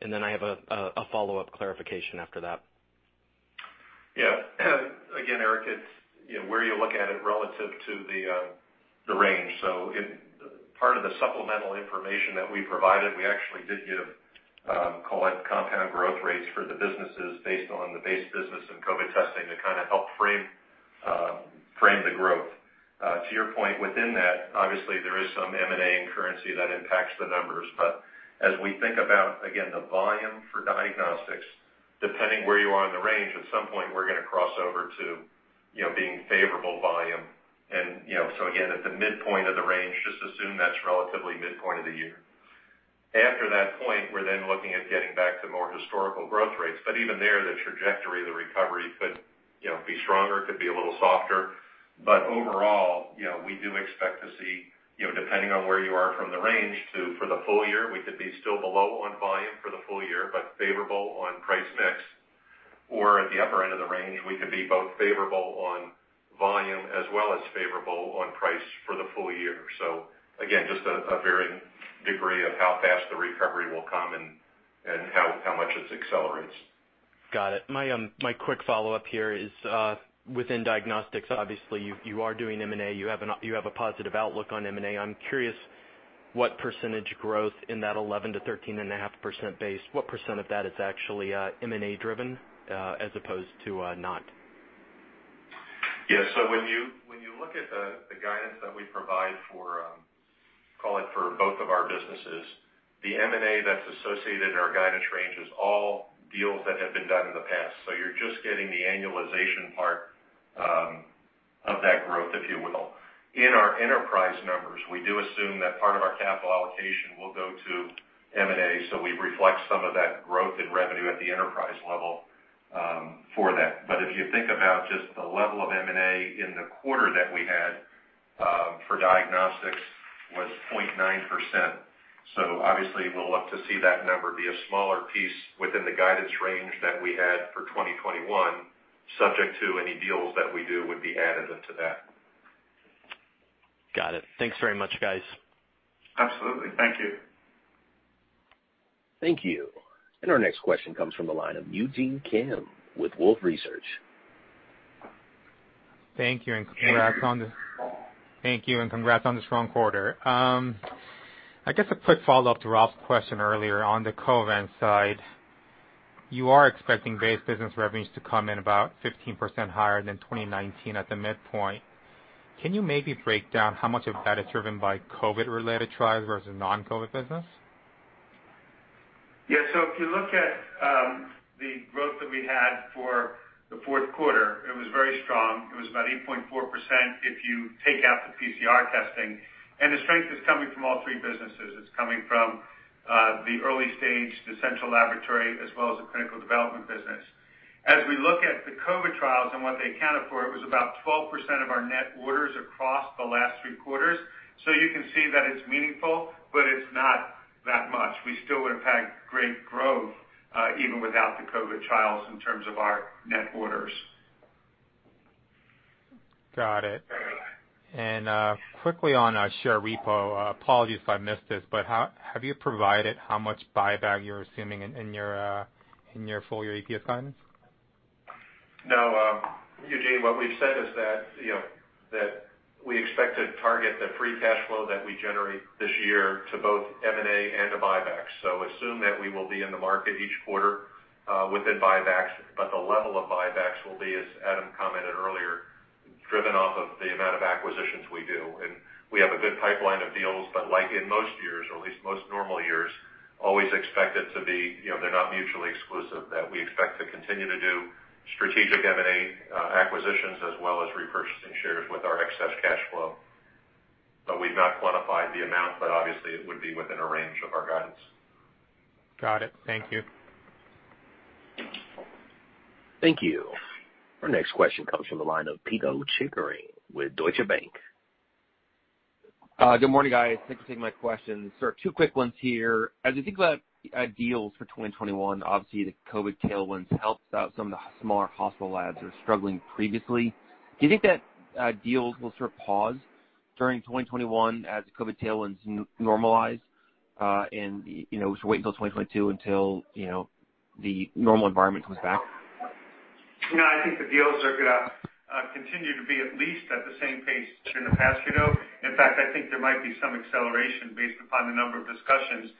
Speaker 10: I have a follow-up clarification after that.
Speaker 4: Yeah. Again, Eric, it's where you look at it relative to the range. In part of the supplemental information that we provided, we actually did give call it compound growth rates for the businesses based on the base business and COVID testing to kind of help frame the growth. To your point within that, obviously, there is some M&A and currency that impacts the numbers. As we think about, again, the volume for diagnostics, depending where you are in the range, at some point, we're going to cross over to being favorable volume. Again, at the midpoint of the range, just assume that's relatively midpoint of the year. After that point, we're then looking at getting back to more historical growth rates, even there, the trajectory of the recovery could be stronger, it could be a little softer. Overall, we do expect to see, depending on where you are from the range to, for the full year, we could be still below on volume for the full year, but favorable on price mix, or at the upper end of the range, we could be both favorable on volume as well as favorable on price for the full year. Again, just a varying degree of how fast the recovery will come and how much it accelerates.
Speaker 10: Got it. My quick follow-up here is, within diagnostics, obviously, you are doing M&A, you have a positive outlook on M&A. I'm curious what % growth in that 11%-13.5% base, what percentage of that is actually M&A driven, as opposed to not?
Speaker 4: Yeah. When you look at the guidance that we provide for, call it for both of our businesses, the M&A that's associated in our guidance range is all deals that have been done in the past. You're just getting the annualization part of that growth, if you will. In our enterprise numbers, we do assume that part of our capital allocation will go to M&A, so we reflect some of that growth in revenue at the enterprise level for that. If you think about just the level of M&A in the quarter that we had for diagnostics was 0.9%. Obviously, we'll look to see that number be a smaller piece within the guidance range that we had for 2021, subject to any deals that we do would be additive to that.
Speaker 10: Got it. Thanks very much, guys.
Speaker 4: Absolutely. Thank you.
Speaker 1: Thank you. Our next question comes from the line of Eugene Kim with Wolfe Research.
Speaker 11: Thank you. Congrats on the strong quarter. I guess a quick follow-up to Ralph's question earlier on the Covance side. You are expecting base business revenues to come in about 15% higher than 2019 at the midpoint. Can you maybe break down how much of that is driven by COVID-related trials versus non-COVID business?
Speaker 3: If you look at the growth that we had for the fourth quarter, it was very strong. It was about 8.4% if you take out the PCR testing, and the strength is coming from all three businesses. It's coming from the early stage, the central laboratory, as well as the clinical development business. As we look at the COVID trials and what they accounted for, it was about 12% of our net orders across the last three quarters. You can see that it's meaningful, but it's not that much. We still would've had great growth, even without the COVID trials in terms of our net orders.
Speaker 11: Got it. Quickly on share repo, apologies if I missed this, have you provided how much buyback you're assuming in your full-year EPS guidance?
Speaker 4: Eugene, what we've said is that we expect to target the free cash flow that we generate this year to both M&A and to buybacks. Assume that we will be in the market each quarter within buybacks, but the level of buybacks will be, as Adam commented earlier, driven off of the amount of acquisitions we do. We have a good pipeline of deals, but like in most years, or at least most normal years, always expect they're not mutually exclusive, that we expect to continue to do strategic M&A acquisitions as well as repurchasing shares with our excess cash flow. We've not quantified the amount, but obviously, it would be within a range of our guidance.
Speaker 11: Got it. Thank you.
Speaker 1: Thank you. Our next question comes from the line of Pito Chickering with Deutsche Bank.
Speaker 12: Good morning, guys. Thanks for taking my questions. Sir, two quick ones here. As you think about deals for 2021, obviously, the COVID tailwinds helped out some of the smaller hospital labs that were struggling previously. Do you think that deals will sort of pause during 2021 as the COVID tailwinds normalize, and we should wait until 2022 until the normal environment comes back?
Speaker 3: No, I think the deals are going to continue to be at least at the same pace as in the past. In fact, I think there might be some acceleration based upon the number of discussions that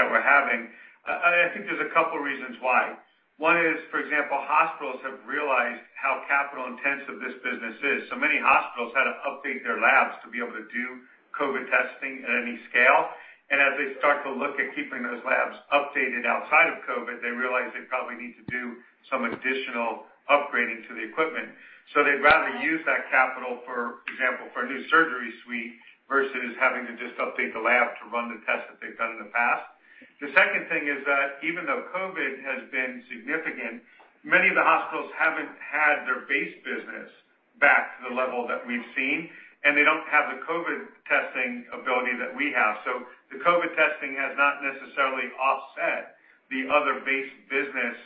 Speaker 3: we're having. I think there's a couple reasons why. One is, for example, hospitals have realized how capital-intensive this business is. Many hospitals had to update their labs to be able to do COVID testing at any scale. As they start to look at keeping those labs updated outside of COVID, they realize they probably need to do some additional upgrading to the equipment. They'd rather use that capital, for example, for a new surgery suite versus having to just update the lab to run the tests that they've done in the past. The second thing is that even though COVID has been significant, many of the hospitals haven't had their base business back to the level that we've seen, and they don't have the COVID testing ability that we have. The COVID testing has not necessarily offset the other base business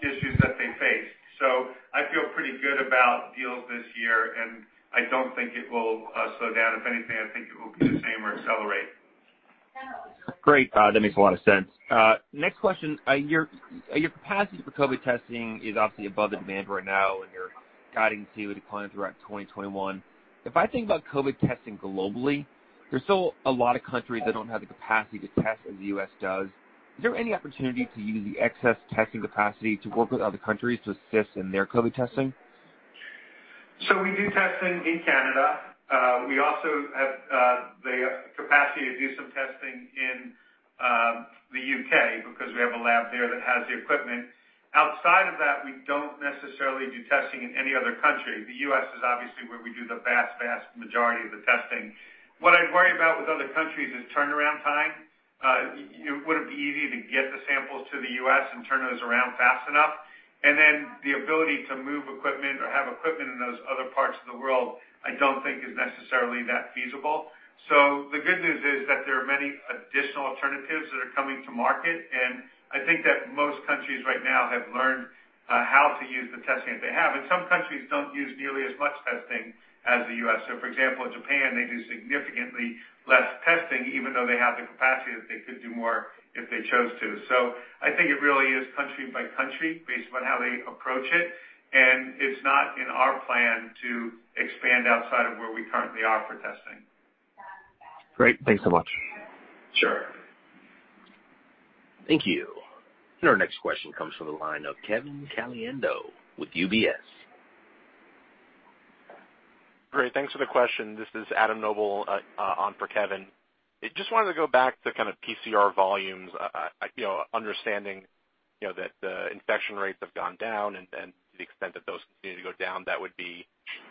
Speaker 3: issues that they faced. I feel pretty good about deals this year, and I don't think it will slow down. If anything, I think it will be the same or accelerate.
Speaker 12: Great. That makes a lot of sense. Next question. Your capacity for COVID testing is obviously above the demand right now, and you're guiding to decline throughout 2021. If I think about COVID testing globally, there's still a lot of countries that don't have the capacity to test as the U.S. does. Is there any opportunity to use the excess testing capacity to work with other countries to assist in their COVID testing?
Speaker 3: We do testing in Canada. We also have the capacity to do some testing in the U.K. because we have a lab there that has the equipment. Outside of that, we don't necessarily do testing in any other country. The U.S. is obviously where we do the vast majority of the testing. What I'd worry about with other countries is turnaround time. It wouldn't be easy to get the samples to the U.S. and turn those around fast enough. The ability to move equipment or have equipment in those other parts of the world, I don't think is necessarily that feasible. The good news is that there are many additional alternatives that are coming to market, and I think that most countries right now have learned how to use the testing that they have, and some countries don't use nearly as much testing as the U.S. For example, in Japan, they do significantly less testing, even though they have the capacity that they could do more if they chose to. I think it really is country by country based upon how they approach it, and it's not in our plan to expand outside of where we currently are for testing.
Speaker 12: Great. Thanks so much.
Speaker 3: Sure.
Speaker 1: Thank you. Our next question comes from the line of Kevin Caliendo with UBS.
Speaker 13: Great. Thanks for the question. This is Adam Noble on for Kevin. Just wanted to go back to kind of PCR volumes, understanding that the infection rates have gone down, and to the extent that those continue to go down, that would be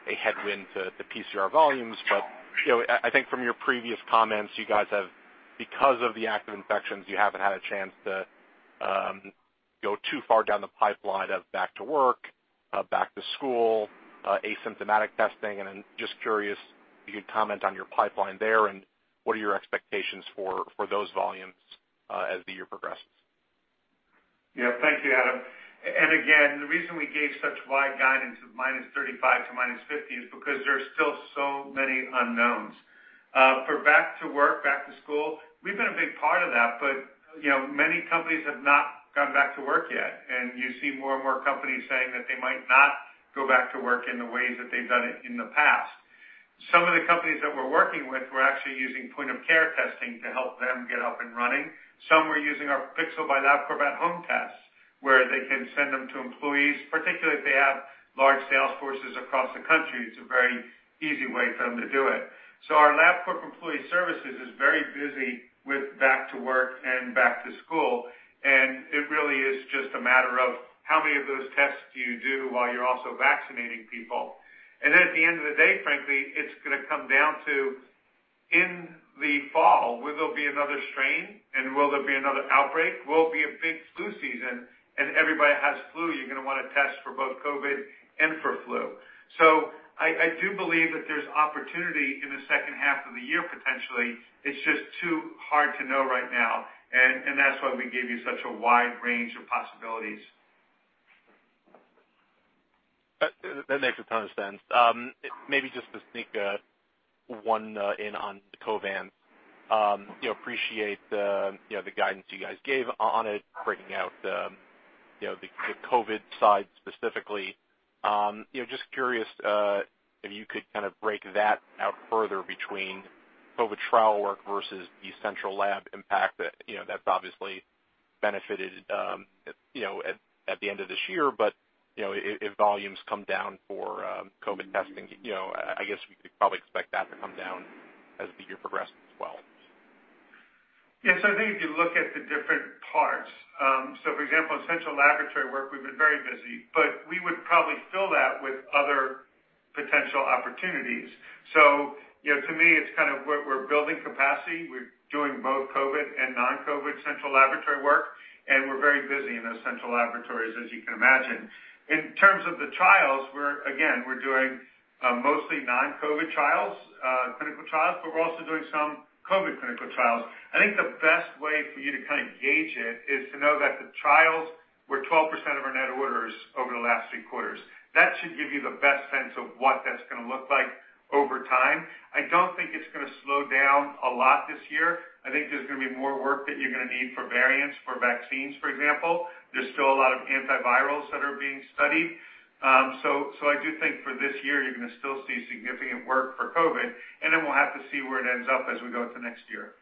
Speaker 13: a headwind to PCR volumes. I think from your previous comments, you guys have, because of the active infections, you haven't had a chance to go too far down the pipeline of back to work, back to school, asymptomatic testing. I'm just curious if you could comment on your pipeline there, and what are your expectations for those volumes as the year progresses?
Speaker 3: Yeah. Thank you, Adam. Again, the reason we gave such wide guidance of -35 to -50 is because there are still so many unknowns. For back to work, back to school, we've been a big part of that. Many companies have not gone back to work yet. You see more and more companies saying that they might not go back to work in the ways that they've done it in the past. Some of the companies that we're working with, we're actually using point-of-care testing to help them get up and running. Some are using our Pixel by Labcorp at-home tests, where they can send them to employees, particularly if they have large sales forces across the country. It's a very easy way for them to do it. Our Labcorp Employer Services is very busy with back to work and back to school, and it really is just a matter of how many of those tests do you do while you're also vaccinating people. Then at the end of the day, frankly, it's going to come down to in the fall, will there be another strain, and will there be another outbreak? Will it be a big flu season and everybody has flu? You're going to want to test for both COVID and for flu. I do believe that there's opportunity in the second half of the year, potentially. It's just too hard to know right now, and that's why we gave you such a wide range of possibilities.
Speaker 13: That makes a ton of sense. Maybe just to sneak one in on the Covance. Appreciate the guidance you guys gave on it, breaking out the COVID side specifically. Just curious if you could break that out further between COVID trial work versus the central lab impact that's obviously benefited at the end of this year. If volumes come down for COVID testing, I guess we could probably expect that to come down as the year progresses as well.
Speaker 3: Yeah. I think if you look at the different parts, for example, in central laboratory work, we've been very busy, but we would probably fill that with other potential opportunities. To me, it's kind of we're building capacity. We're doing both COVID and non-COVID central laboratory work, and we're very busy in those central laboratories, as you can imagine. In terms of the trials, again, we're doing mostly non-COVID clinical trials, but we're also doing some COVID clinical trials. I think the best way for you to gauge it is to know that the trials were 12% of our net orders over the last three quarters. That should give you the best sense of what that's going to look like over time. I don't think it's going to slow down a lot this year. I think there's going to be more work that you're going to need for variants, for vaccines, for example. There's still a lot of antivirals that are being studied. I do think for this year, you're going to still see significant work for COVID, and then we'll have to see where it ends up as we go into next year.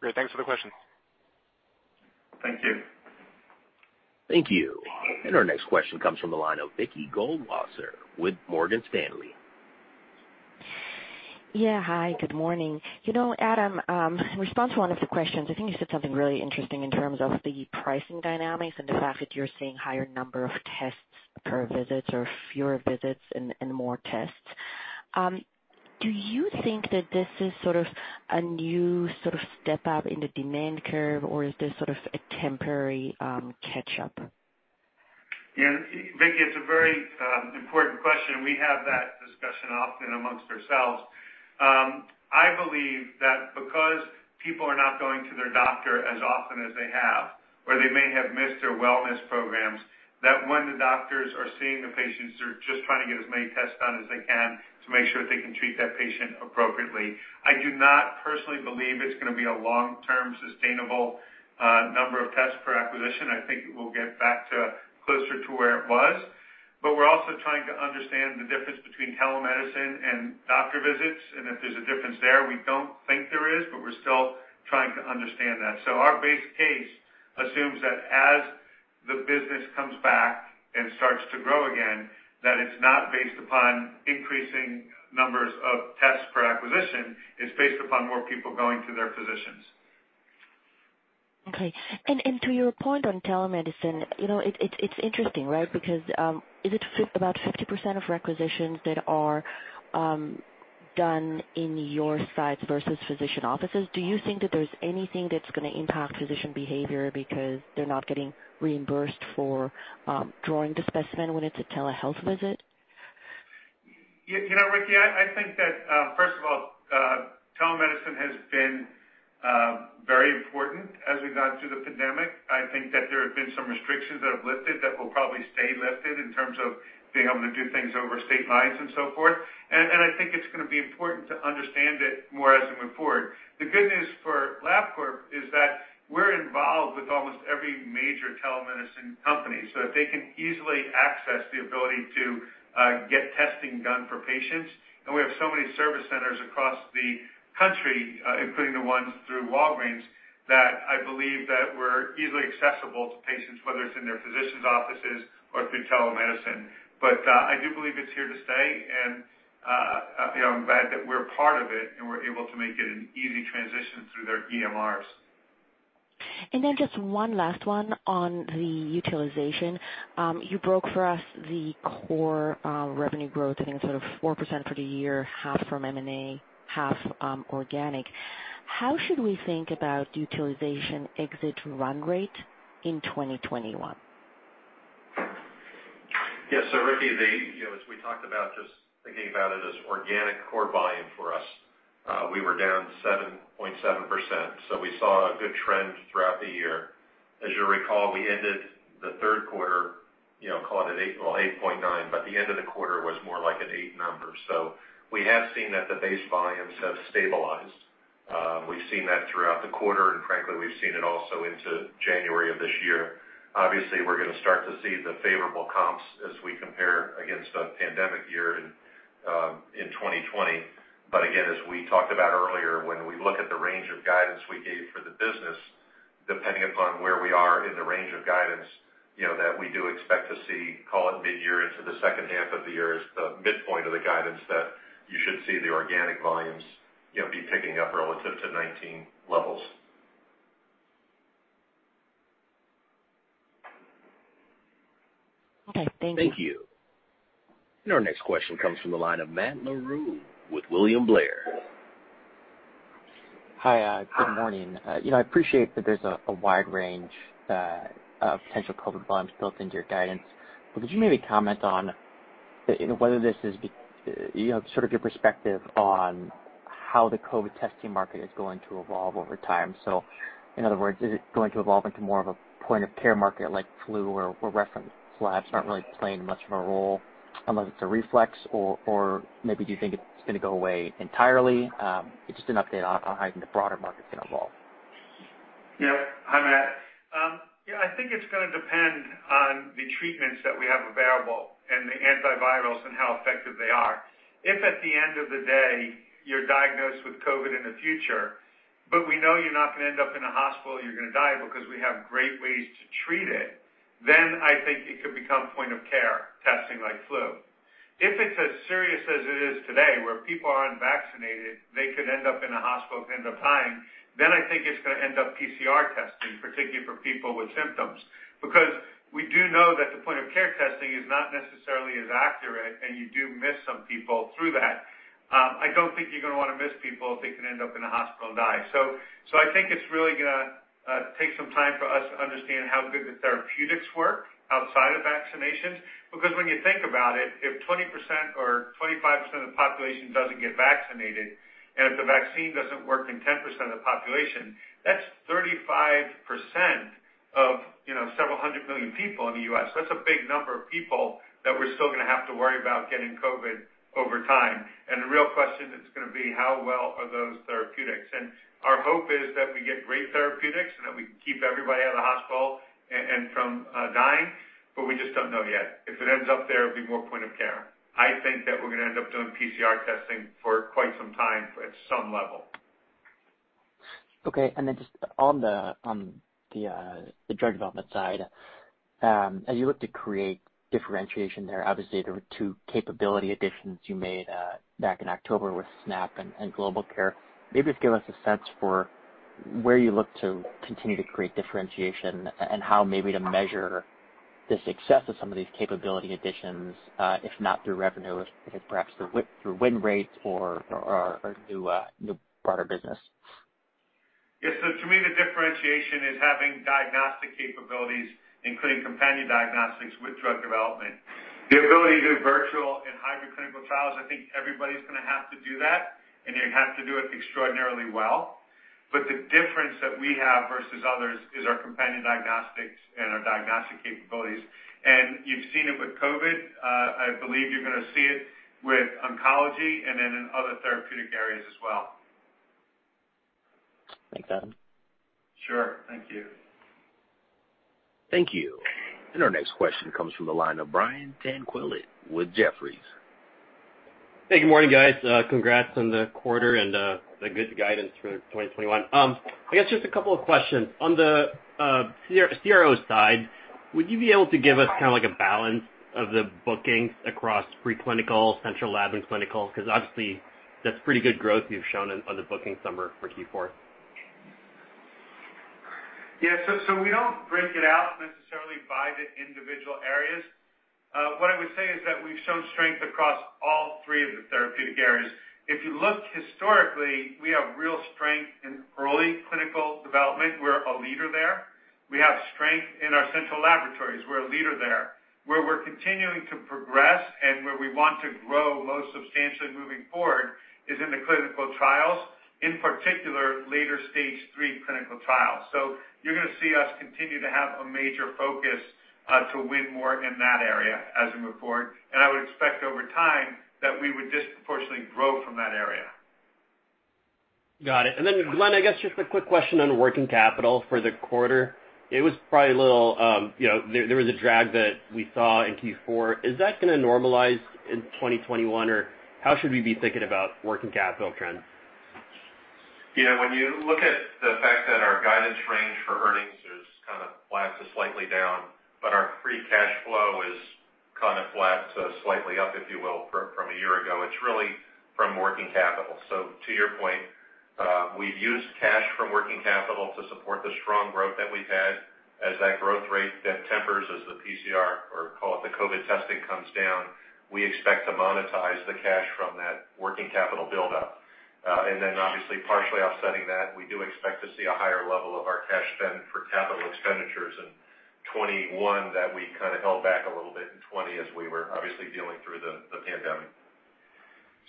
Speaker 13: Great. Thanks for the question.
Speaker 3: Thank you.
Speaker 1: Thank you. Our next question comes from the line of Ricky Goldwasser with Morgan Stanley.
Speaker 14: Hi, good morning. Adam, in response to one of the questions, I think you said something really interesting in terms of the pricing dynamics and the fact that you're seeing higher number of tests per visits or fewer visits and more tests. Do you think that this is a new sort of step-up in the demand curve, or is this sort of a temporary catch-up?
Speaker 3: Yeah, Ricky, it's a very important question, and we have that discussion often amongst ourselves. I believe that because people are not going to their doctor as often as they have, or they may have missed their wellness programs, that when the doctors are seeing the patients, they're just trying to get as many tests done as they can to make sure they can treat that patient appropriately. I do not personally believe it's going to be a long-term sustainable number of tests per acquisition. I think we'll get back to closer to where it was. We're also trying to understand the difference between telemedicine and doctor visits, and if there's a difference there. We don't think there is, but we're still trying to understand that. Our base case assumes that as the business comes back and starts to grow again, that it's not based upon increasing numbers of tests per acquisition. It's based upon more people going to their physicians.
Speaker 14: Okay. To your point on telemedicine, it's interesting, right? Because is it about 50% of requisitions that are done in your sites versus physician offices? Do you think that there's anything that's going to impact physician behavior because they're not getting reimbursed for drawing the specimen when it's a telehealth visit?
Speaker 3: Ricky, I think that, first of all, telemedicine has been very important as we've gone through the pandemic. I think that there have been some restrictions that have lifted that will probably stay lifted in terms of being able to do things over state lines and so forth. I think it's going to be important to understand it more as we move forward. The good news for Labcorp is that we're involved with almost every major telemedicine company, so that they can easily access the ability to get testing done for patients. We have so many service centers across the country, including the ones through Walgreens, that I believe that we're easily accessible to patients, whether it's in their physician's offices or through telemedicine. I do believe it's here to stay, and I'm glad that we're part of it, and we're able to make it an easy transition through their EMRs.
Speaker 14: Just one last one on the utilization. You broke for us the core revenue growth, I think sort of 4% for the year, half from M&A, half organic. How should we think about utilization exit run rate in 2021?
Speaker 4: Yeah. Ricky, as we talked about, just thinking about it as organic core volume for us, we were down 7.7%, so we saw a good trend throughout the year. As you'll recall, we ended the third quarter, call it at 8.9%, but the end of the quarter was more like an 8% number. We have seen that the base volumes have stabilized. We've seen that throughout the quarter, and frankly, we've seen it also into January of this year. Obviously, we're going to start to see the favorable comps as we compare against a pandemic year in 2020. Again, as we talked about earlier, when we look at the range of guidance we gave for the business, depending upon where we are in the range of guidance, that we do expect to see, call it mid-year into the second half of the year as the midpoint of the guidance that you should see the organic volumes be picking up relative to 2019 levels.
Speaker 14: Okay. Thank you.
Speaker 1: Thank you. Our next question comes from the line of Matt Larew with William Blair.
Speaker 15: Hi good morning. I appreciate that there's a wide range of potential COVID volumes built into your guidance, but could you maybe comment on whether this is sort of your perspective on how the COVID testing market is going to evolve over time. In other words, is it going to evolve into more of a point-of-care market like flu or reference labs aren't really playing much of a role unless it's a reflex? Maybe do you think it's going to go away entirely? Just an update on how the broader market's going to evolve.
Speaker 3: Yep. Hi, Matt. Yeah, I think it's going to depend on the treatments that we have available and the antivirals and how effective they are. If at the end of the day, you're diagnosed with COVID in the future, but we know you're not going to end up in a hospital, you're going to die because we have great ways to treat it, then I think it could become point-of-care testing like flu. If it's as serious as it is today, where people are unvaccinated, they could end up in a hospital, could end up dying, then I think it's going to end up PCR testing, particularly for people with symptoms. We do know that the point-of-care testing is not necessarily as accurate, and you do miss some people through that. I don't think you're going to want to miss people if they can end up in a hospital and die. I think it's really going to take some time for us to understand how good the therapeutics work outside of vaccinations. When you think about it, if 20% or 25% of the population doesn't get vaccinated, and if the vaccine doesn't work in 10% of the population, that's 35% of several hundred million people in the U.S. That's a big number of people that we're still going to have to worry about getting COVID over time. The real question is going to be how well are those therapeutics? Our hope is that we get great therapeutics and that we keep everybody out of the hospital and from dying, but we just don't know yet. If it ends up there, it'll be more point of care. I think that we're going to end up doing PCR testing for quite some time at some level.
Speaker 15: Okay, just on the drug development side, as you look to create differentiation there, obviously, there were two capability additions you made back in October with snap and GlobalCare. Maybe just give us a sense for where you look to continue to create differentiation and how maybe to measure the success of some of these capability additions if not through revenue, perhaps through win rates or new broader business.
Speaker 3: Yeah. To me, the differentiation is having diagnostic capabilities, including companion diagnostics with drug development. The ability to do virtual and hybrid clinical trials, I think everybody's going to have to do that, and you have to do it extraordinarily well. The difference that we have versus others is our companion diagnostics and our diagnostic capabilities. You've seen it with COVID. I believe you're going to see it with oncology and then in other therapeutic areas as well.
Speaker 15: Thanks, Adam.
Speaker 3: Sure. Thank you.
Speaker 1: Thank you. Our next question comes from the line of Brian Tanquilut with Jefferies.
Speaker 16: Hey, good morning, guys. Congrats on the quarter and the good guidance for 2021. I guess just a couple of questions. On the CRO side, would you be able to give us a balance of the bookings across pre-clinical, central lab, and clinical? Obviously, that's pretty good growth you've shown on the bookings number for Q4.
Speaker 3: We don't break it out necessarily by the individual areas. What I would say is that we've shown strength across all three of the therapeutic areas. If you look historically, we have real strength in early clinical development. We're a leader there. We have strength in our central laboratories. We're a leader there. Where we're continuing to progress and where we want to grow most substantially moving forward is in the clinical trials, in particular, later phase III clinical trials. You're going to see us continue to have a major focus to win more in that area as we move forward. I would expect over time that we would disproportionately grow from that area.
Speaker 16: Got it. Glenn, I guess just a quick question on working capital for the quarter. It was probably a drag that we saw in Q4. Is that going to normalize in 2021? How should we be thinking about working capital trends?
Speaker 4: When you look at the fact that our guidance range for earnings is kind of flat to slightly down, but our free cash flow is flat to slightly up, if you will, from a year ago, it's really from working capital. To your point, we've used cash from working capital to support the strong growth that we've had. As that growth rate then tempers as the PCR or call it the COVID testing comes down, we expect to monetize the cash from that working capital buildup. Obviously partially offsetting that, we do expect to see a higher level of our cash spend for capital expenditures in 2021 that we held back a little bit in 2020 as we were obviously dealing through the pandemic.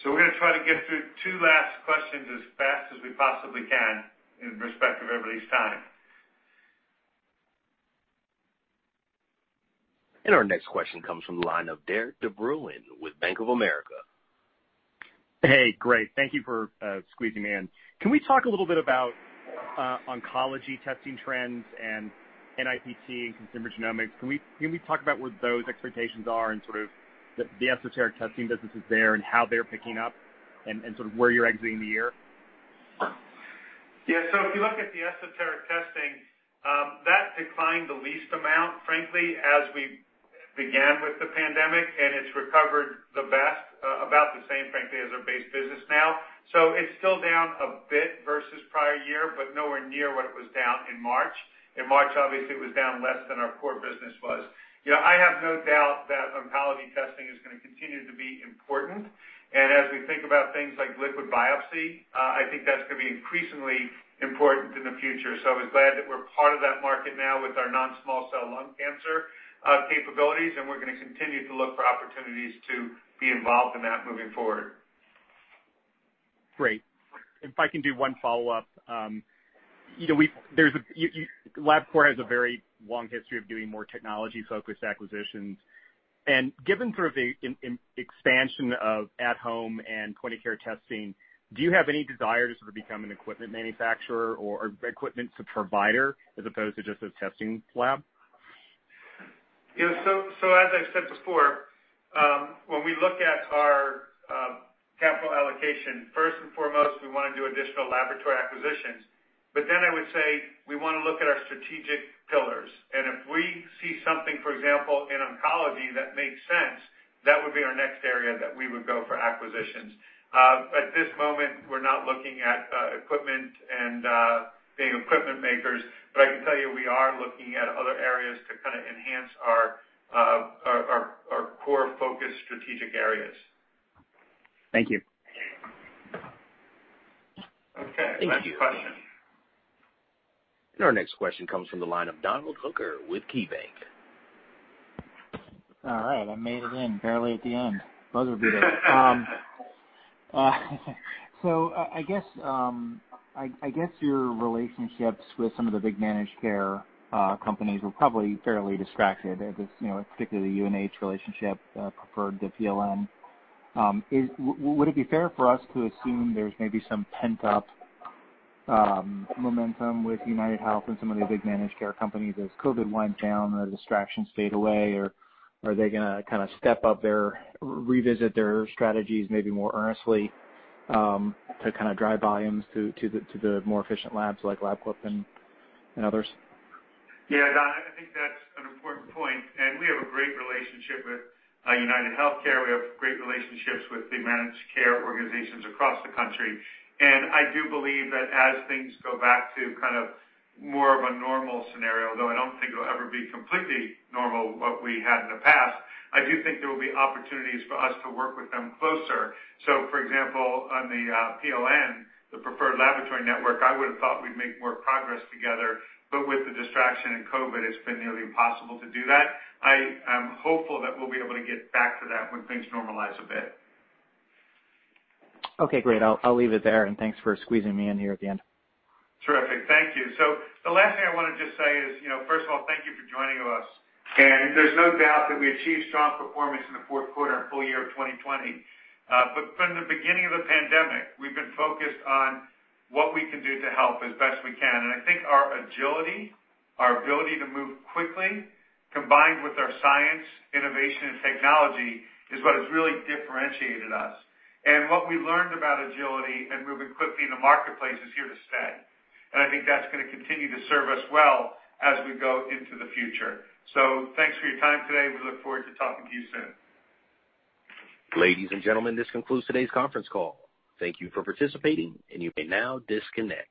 Speaker 3: We're going to try to get through two last questions as fast as we possibly can in respect of everybody's time.
Speaker 1: Our next question comes from the line of Derik de Bruin with Bank of America.
Speaker 17: Hey, great. Thank you for squeezing me in. Can we talk a little bit about oncology testing trends and NIPT and consumer genomics? Can we talk about what those expectations are and sort of the esoteric testing businesses there and how they're picking up and sort of where you're exiting the year?
Speaker 3: Yeah. If you look at the esoteric testing, that declined the least amount, frankly, as we began with the pandemic, and it's recovered the best, about the same, frankly, as our base business now. It's still down a bit versus prior year, nowhere near what it was down in March. In March, obviously, it was down less than our core business was. I have no doubt that oncology testing is going to continue to be important. As we think about things like liquid biopsy, I think that's going to be increasingly important in the future. I'm glad that we're part of that market now with our non-small cell lung cancer capabilities, we're going to continue to look for opportunities to be involved in that moving forward.
Speaker 17: Great. If I can do one follow-up. Labcorp has a very long history of doing more technology-focused acquisitions, and given the expansion of at-home and point-of-care testing, do you have any desire to become an equipment manufacturer or equipment provider as opposed to just a testing lab?
Speaker 3: Yeah. As I said before, when we look at our capital allocation, first and foremost, we want to do additional laboratory acquisitions. I would say we want to look at our strategic pillars, and if we see something, for example, in oncology that makes sense, that would be our next area that we would go for acquisitions. At this moment, we're not looking at equipment and being equipment makers, but I can tell you we are looking at other areas to enhance our core focus strategic areas.
Speaker 17: Thank you.
Speaker 3: Okay. Last question.
Speaker 1: Our next question comes from the line of Donald Hooker with KeyBanc.
Speaker 18: All right. I made it in, barely at the end. Buzzer beater. I guess your relationships with some of the big managed care companies were probably fairly distracted at this, particularly the UNH relationship, Preferred, the PLN. Would it be fair for us to assume there's maybe some pent-up momentum with UnitedHealth and some of the big managed care companies as COVID winds down or distractions fade away, or are they going to revisit their strategies maybe more earnestly, to drive volumes to the more efficient labs like Labcorp and others?
Speaker 3: Yeah, Don, I think that's an important point. We have a great relationship with UnitedHealthcare. We have great relationships with the managed care organizations across the country. I do believe that as things go back to more of a normal scenario, though I don't think it'll ever be completely normal what we had in the past, I do think there will be opportunities for us to work with them closer. For example, on the PLN, the Preferred Laboratory Network, I would've thought we'd make more progress together, but with the distraction in COVID, it's been nearly impossible to do that. I am hopeful that we'll be able to get back to that when things normalize a bit.
Speaker 18: Okay, great. I'll leave it there, and thanks for squeezing me in here at the end.
Speaker 3: Terrific. Thank you. The last thing I want to just say is, first of all, thank you for joining us. There's no doubt that we achieved strong performance in the fourth quarter and full year of 2020. From the beginning of the pandemic, we've been focused on what we can do to help as best we can. I think our agility, our ability to move quickly, combined with our science, innovation, and technology is what has really differentiated us. What we learned about agility and moving quickly in the marketplace is here to stay, and I think that's going to continue to serve us well as we go into the future. Thanks for your time today. We look forward to talking to you soon.
Speaker 1: Ladies and gentlemen, this concludes today's conference call. Thank you for participating, and you may now disconnect.